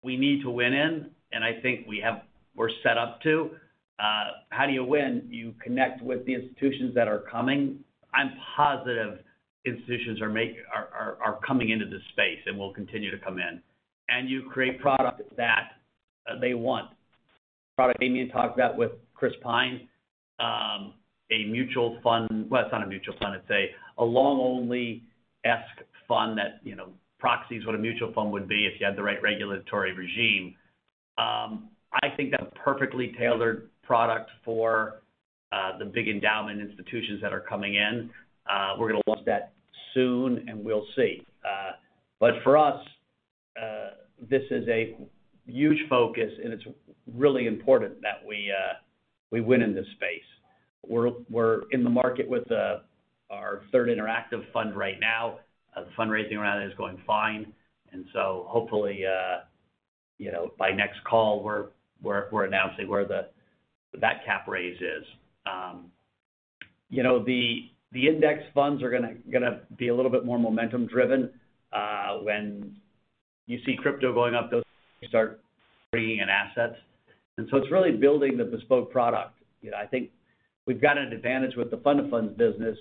we need to win in, and I think we're set up to. How do you win? You connect with the institutions that are coming. I'm positive institutions are coming into this space and will continue to come in. You create products that they want. The product Damien talked about with Chris Rhine, a mutual fund, well, it's not a mutual fund. It's a long-only-esque fund that, you know, proxies what a mutual fund would be if you had the right regulatory regime. I think that's a perfectly tailored product for the big endowment institutions that are coming in. We're gonna launch that soon and we'll see. For us, this is a huge focus, and it's really important that we win in this space. We're in the market with our third interactive fund right now. The fundraising around it is going fine. So hopefully, you know, by next call we're announcing where that cap raise is. You know, the index funds are gonna be a little bit more momentum-driven. When you see crypto going up, those start bringing in assets. So it's really building the bespoke product. You know, I think we've got an advantage with the fund of funds business,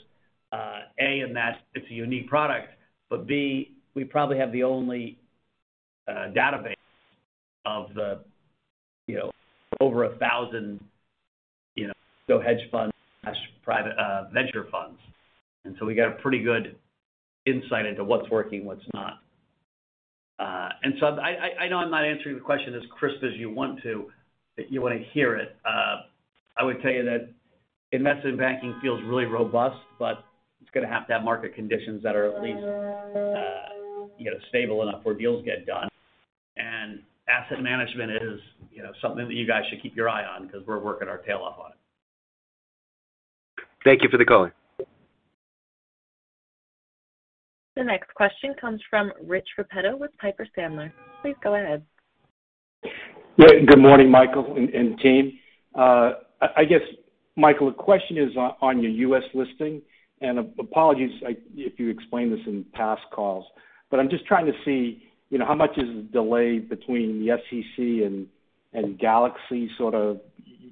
A, in that it's a unique product, but B, we probably have the only database of the, you know, over 1,000, you know, hedge funds, private venture funds. We got a pretty good insight into what's working, what's not. I know I'm not answering the question as crisp as you want to, as you wanna hear it. I would tell you that investment banking feels really robust, but it's gonna have to have market conditions that are at least, you know, stable enough where deals get done. Asset management is, you know, something that you guys should keep your eye on because we're working our tail off on it. Thank you for the color. The next question comes from Rich Repetto with Piper Sandler. Please go ahead. Yeah. Good morning, Mike and team. I guess, Mike, the question is on your U.S. listing, and apologies, like, if you explained this in past calls. I'm just trying to see, you know, how much is the delay between the SEC and Galaxy sort of,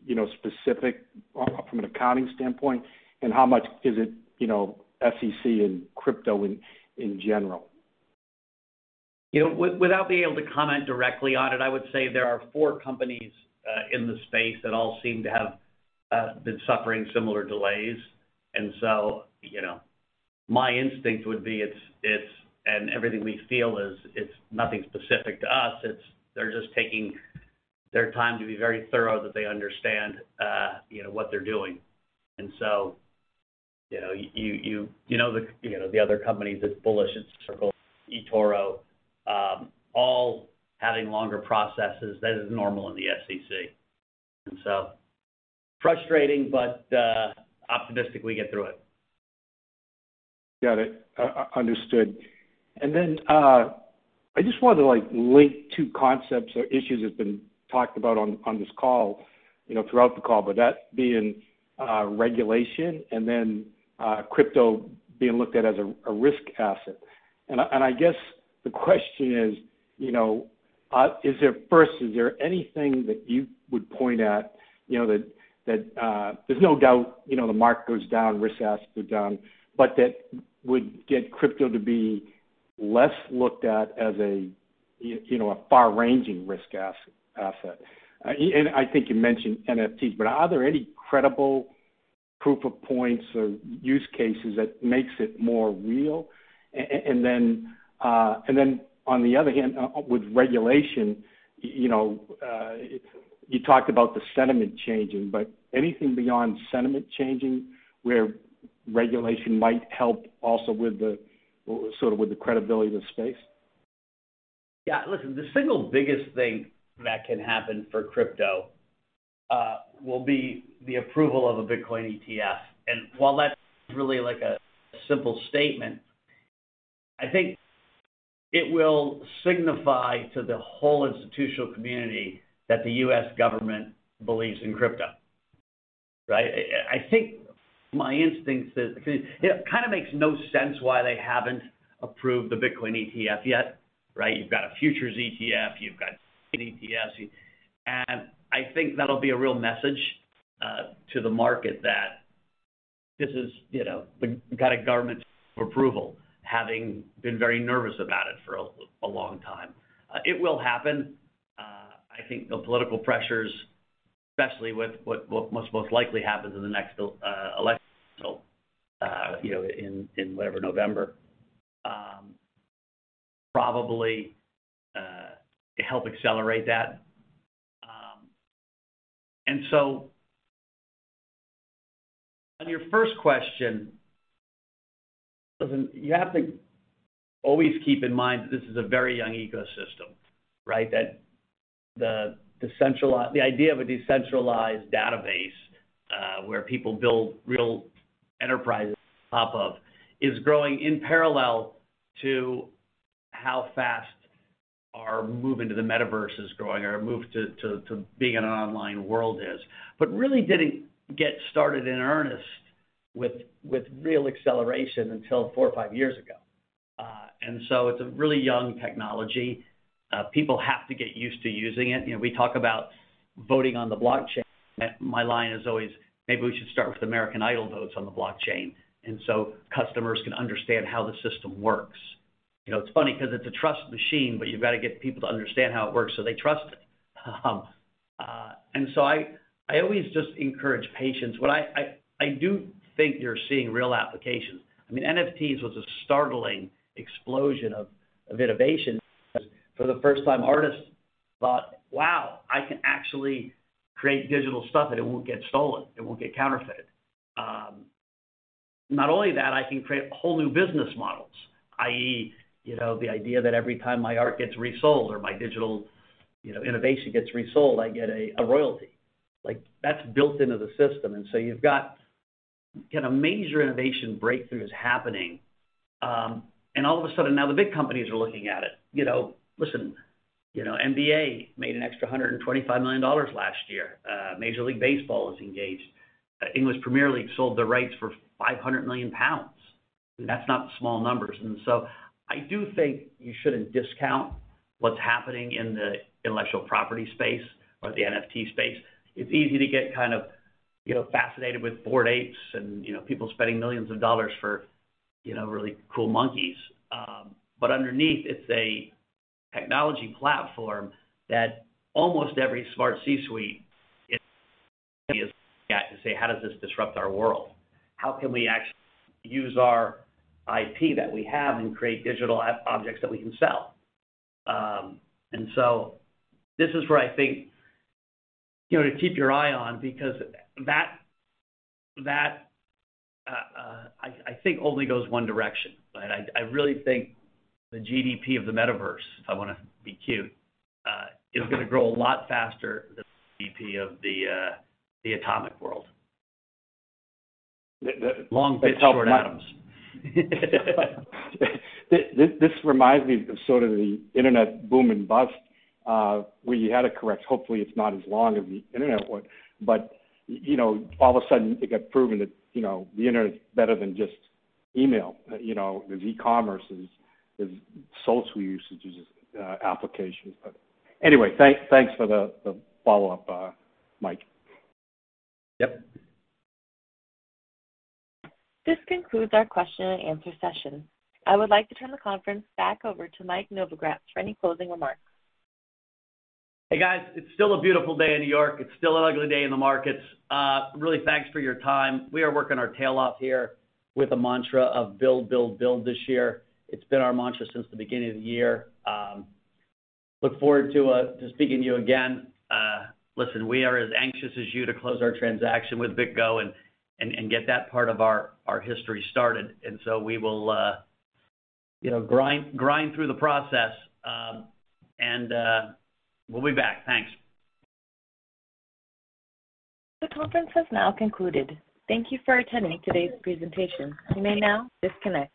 you know, specific from an accounting standpoint, and how much is it, you know, SEC and crypto in general? You know, without being able to comment directly on it, I would say there are four companies in the space that all seem to have been suffering similar delays. You know, my instinct would be it's, and everything we feel is it's nothing specific to us. It's, they're just taking their time to be very thorough that they understand you know what they're doing. You know the other companies that's bullish, it's Circle, eToro, all having longer processes. That is normal in the SEC. Frustrating, but optimistic we get through it. Got it. You understand. Then I just wanted to, like, link two concepts or issues that's been talked about on this call, you know, throughout the call, but that being regulation and then crypto being looked at as a risk asset. I guess the question is, you know, is there first, is there anything that you would point at, you know, that there's no doubt, you know, the market goes down, risk assets go down, but that would get crypto to be less looked at as a, you know, a far-ranging risk asset. I think you mentioned NFTs, but are there any credible proof points or use cases that makes it more real? On the other hand, with regulation, you know, you talked about the sentiment changing, but anything beyond sentiment changing where regulation might help also, sort of, with the credibility of the space? Yeah. Listen, the single biggest thing that can happen for crypto will be the approval of a Bitcoin ETF. While that's really like a simple statement, I think it will signify to the whole institutional community that the U.S. government believes in crypto, right? I think my instinct says it kind of makes no sense why they haven't approved the Bitcoin ETF yet, right? You've got a futures ETF, you've got ETFs. I think that'll be a real message to the market that this is, you know, they've got a government approval, having been very nervous about it for a long time. It will happen. I think the political pressures, especially with what most likely happens in the next election, you know, in whatever November, probably, help accelerate that. On your first question, listen, you have to always keep in mind that this is a very young ecosystem, right? That the idea of a decentralized database, where people build real enterprises on top of is growing in parallel to how fast our move into the metaverse is growing, our move to being in an online world is. Really didn't get started in earnest with real acceleration until four or five years ago. It's a really young technology. People have to get used to using it. You know, we talk about voting on the blockchain. My line is always, maybe we should start with American Idol votes on the blockchain, and so customers can understand how the system works. You know, it's funny 'cause it's a trust machine, but you've got to get people to understand how it works, so they trust it. I always just encourage patience. What I do think you're seeing real applications. I mean, NFTs was a startling explosion of innovation. For the first time, artists thought, "Wow, I can actually create digital stuff and it won't get stolen, it won't get counterfeited." Not only that, I can create whole new business models. I.e., you know, the idea that every time my art gets resold or my digital, you know, innovation gets resold, I get a royalty. Like, that's built into the system. You've got kind of major innovation breakthroughs happening. All of a sudden now the big companies are looking at it. You know, listen, you know, NBA made an extra $125 million last year. Major League Baseball is engaged. English Premier League sold the rights for 500 million pounds. That's not small numbers. I do think you shouldn't discount what's happening in the intellectual property space or the NFT space. It's easy to get kind of, you know, fascinated with Bored Apes and, you know, people spending millions of dollars for, you know, really cool monkeys. Underneath, it's a technology platform that almost every smart C-suite is looking at to say, "How does this disrupt our world? How can we actually use our IP that we have and create digital objects that we can sell? This is where I think, you know, to keep your eye on because that only goes one direction, right? I really think the GDP of the Metaverse, if I wanna be cute, is gonna grow a lot faster than the GDP of the atomic world. Long It's short items. This reminds me of sort of the internet boom and bust. Hopefully, it's not as long as the internet was. You know, all of a sudden it got proven that, you know, the internet's better than just email. You know, there's e-commerce, there's social usages, applications. Anyway, thanks for the follow-up, Mike. Yep. This concludes our question and answer session. I would like to turn the conference back over to Mike Novogratz for any closing remarks. Hey, guys. It's still a beautiful day in New York. It's still an ugly day in the markets. Really thanks for your time. We are working our tail off here with a mantra of build, build this year. It's been our mantra since the beginning of the year. Look forward to speaking to you again. Listen, we are as anxious as you to close our transaction with BitGo and get that part of our history started. We will, you know, grind through the process, and we'll be back. Thanks. The conference has now concluded. Thank you for attending today's presentation. You may now disconnect.